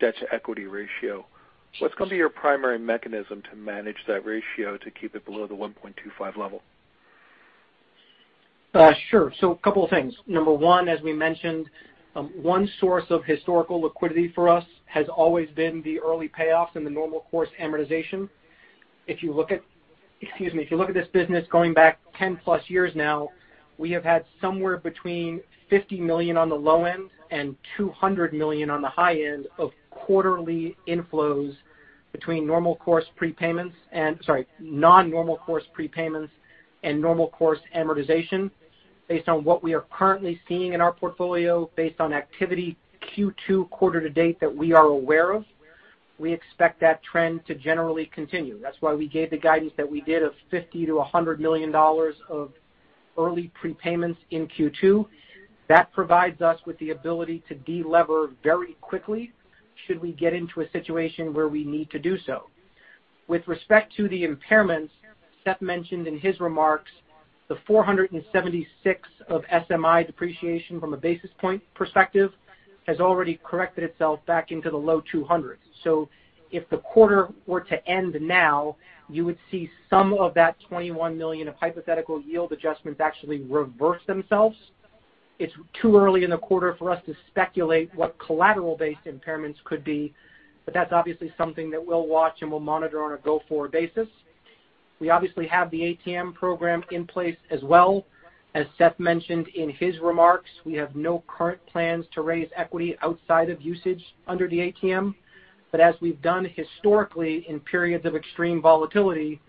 debt to equity ratio, what's going to be your primary mechanism to manage that ratio to keep it below the 1.25 level? Sure. A couple of things. Number one, as we mentioned, one source of historical liquidity for us has always been the early payoffs and the normal course amortization. If you look at this business going back 10+ years now, we have had somewhere between $50 million on the low end and $200 million on the high end of quarterly inflows between non-normal course prepayments and normal course amortization. Based on what we are currently seeing in our portfolio, based on activity Q2 quarter to date that we are aware of. We expect that trend to generally continue. That's why we gave the guidance that we did of $50 million-$100 million of early prepayments in Q2. That provides us with the ability to de-lever very quickly should we get into a situation where we need to do so. With respect to the impairments, Seth mentioned in his remarks the 476 of SMI depreciation from a basis point perspective has already corrected itself back into the low 200s. If the quarter were to end now, you would see some of that $21 million of hypothetical yield adjustments actually reverse themselves. It's too early in the quarter for us to speculate what collateral-based impairments could be, but that's obviously something that we'll watch and we'll monitor on a go-forward basis. We obviously have the ATM program in place as well. As Seth mentioned in his remarks, we have no current plans to raise equity outside of usage under the ATM. As we've done historically in periods of extreme volatility,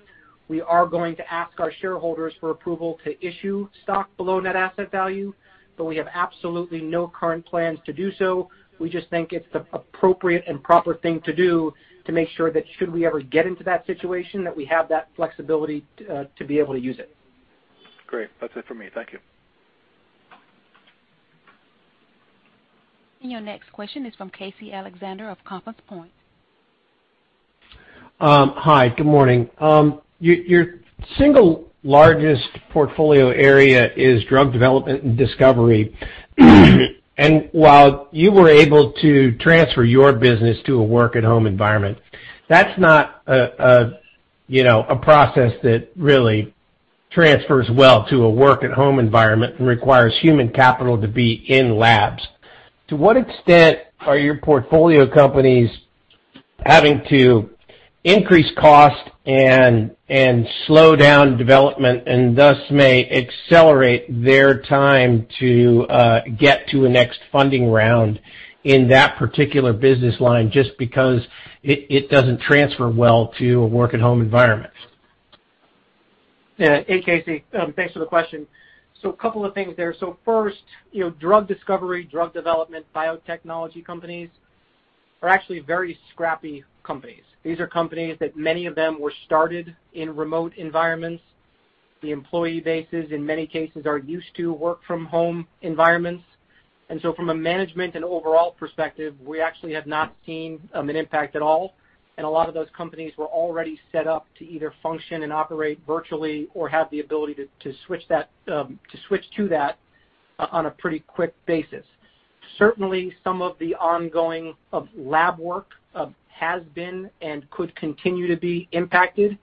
we are going to ask our shareholders for approval to issue stock below net asset value. We have absolutely no current plans to do so. We just think it's the appropriate and proper thing to do to make sure that should we ever get into that situation, that we have that flexibility to be able to use it. Great. That's it for me. Thank you. Your next question is from Casey Alexander of Compass Point. Hi, good morning. Your single largest portfolio area is drug development and discovery. While you were able to transfer your business to a work-at-home environment, that's not a process that really transfers well to a work-at-home environment and requires human capital to be in labs. To what extent are your portfolio companies having to increase cost and slow down development, and thus may accelerate their time to get to a next funding round in that particular business line just because it doesn't transfer well to a work-at-home environment? Yeah. Hey, Casey. Thanks for the question. A couple of things there. First, drug discovery, drug development, biotechnology companies are actually very scrappy companies. These are companies that many of them were started in remote environments. The employee bases, in many cases, are used to work-from-home environments. From a management and overall perspective, we actually have not seen an impact at all. A lot of those companies were already set up to either function and operate virtually or have the ability to switch to that on a pretty quick basis. Certainly, some of the ongoing lab work has been and could continue to be impacted,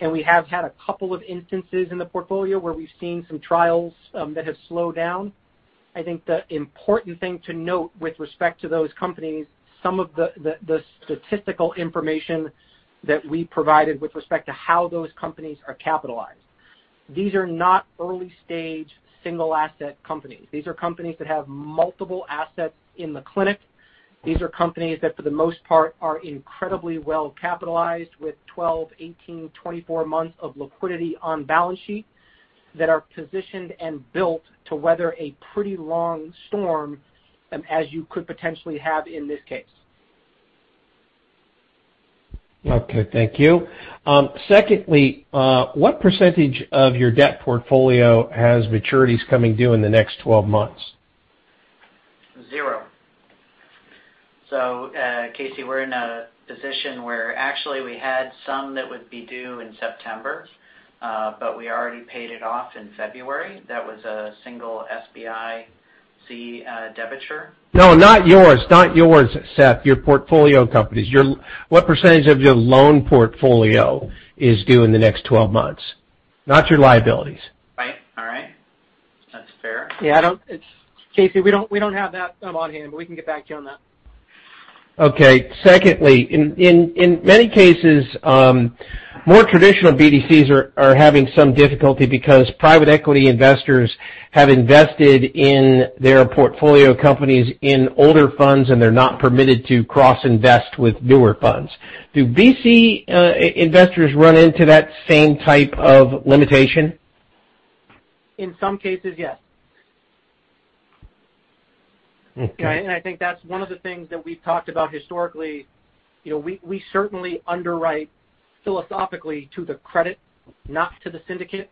and we have had a couple of instances in the portfolio where we've seen some trials that have slowed down. I think the important thing to note with respect to those companies, some of the statistical information that we provided with respect to how those companies are capitalized. These are not early-stage, single-asset companies. These are companies that have multiple assets in the clinic. These are companies that, for the most part, are incredibly well-capitalized with 12, 18, 24 months of liquidity on balance sheet that are positioned and built to weather a pretty long storm as you could potentially have in this case. Okay, thank you. Secondly, what percentage of your debt portfolio has maturities coming due in the next 12 months? Zero. Casey, we're in a position where actually we had some that would be due in September, but we already paid it off in February. That was a single SBIC debenture. No, not yours, Seth. Your portfolio companies. What percentage of your loan portfolio is due in the next 12 months? Not your liabilities. Right. All right. That's fair. Yeah. Casey, we don't have that on hand, but we can get back to you on that. Okay. Secondly, in many cases, more traditional BDCs are having some difficulty because private equity investors have invested in their portfolio companies in older funds, and they're not permitted to cross-invest with newer funds. Do BDC investors run into that same type of limitation? In some cases, yes. Okay. I think that's one of the things that we've talked about historically. We certainly underwrite philosophically to the credit, not to the syndicate.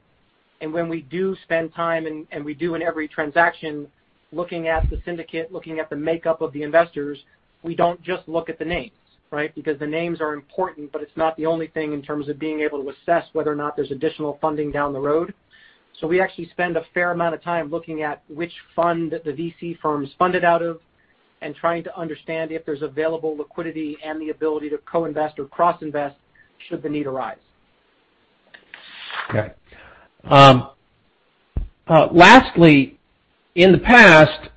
When we do spend time, and we do in every transaction, looking at the syndicate, looking at the makeup of the investors, we don't just look at the names, right? Because the names are important, but it's not the only thing in terms of being able to assess whether or not there's additional funding down the road. We actually spend a fair amount of time looking at which fund the VC firm is funded out of and trying to understand if there's available liquidity and the ability to co-invest or cross-invest should the need arise. Okay. Lastly, in the past,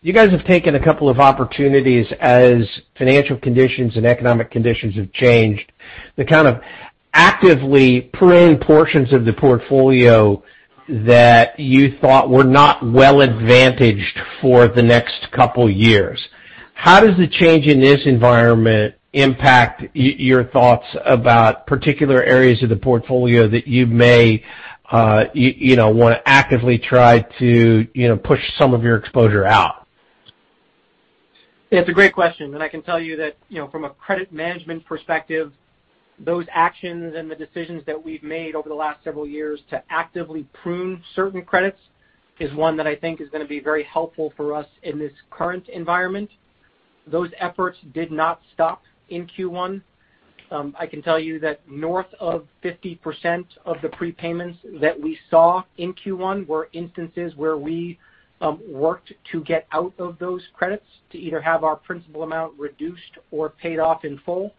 you guys have taken a couple of opportunities as financial conditions and economic conditions have changed to kind of actively prune portions of the portfolio that you thought were not well-advantaged for the next couple years. How does the change in this environment impact your thoughts about particular areas of the portfolio that you may want to actively try to push some of your exposure out? It's a great question. I can tell you that from a credit management perspective, those actions and the decisions that we've made over the last several years to actively prune certain credits is one that I think is going to be very helpful for us in this current environment. Those efforts did not stop in Q1. I can tell you that north of 50% of the prepayments that we saw in Q1 were instances where we worked to get out of those credits to either have our principal amount reduced or paid off in full.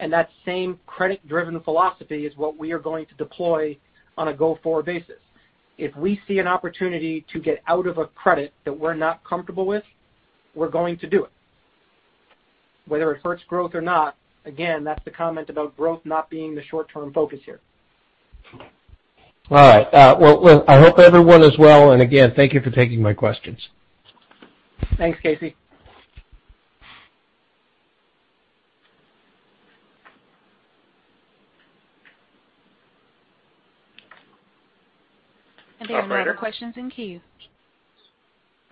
That same credit-driven philosophy is what we are going to deploy on a go-forward basis. If we see an opportunity to get out of a credit that we're not comfortable with, we're going to do it. Whether it hurts growth or not, again, that's the comment about growth not being the short-term focus here. All right. Well, I hope everyone is well. Again, thank you for taking my questions. Thanks, Casey. There are no other questions in queue.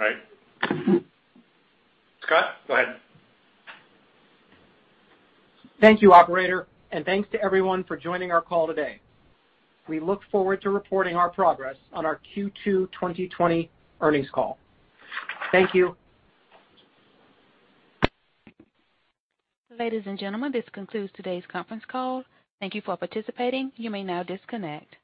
All right. Scott, go ahead. Thank you, operator, and thanks to everyone for joining our call today. We look forward to reporting our progress on our Q2 2020 earnings call. Thank you. Ladies and gentlemen, this concludes today's conference call. Thank you for participating. You may now disconnect.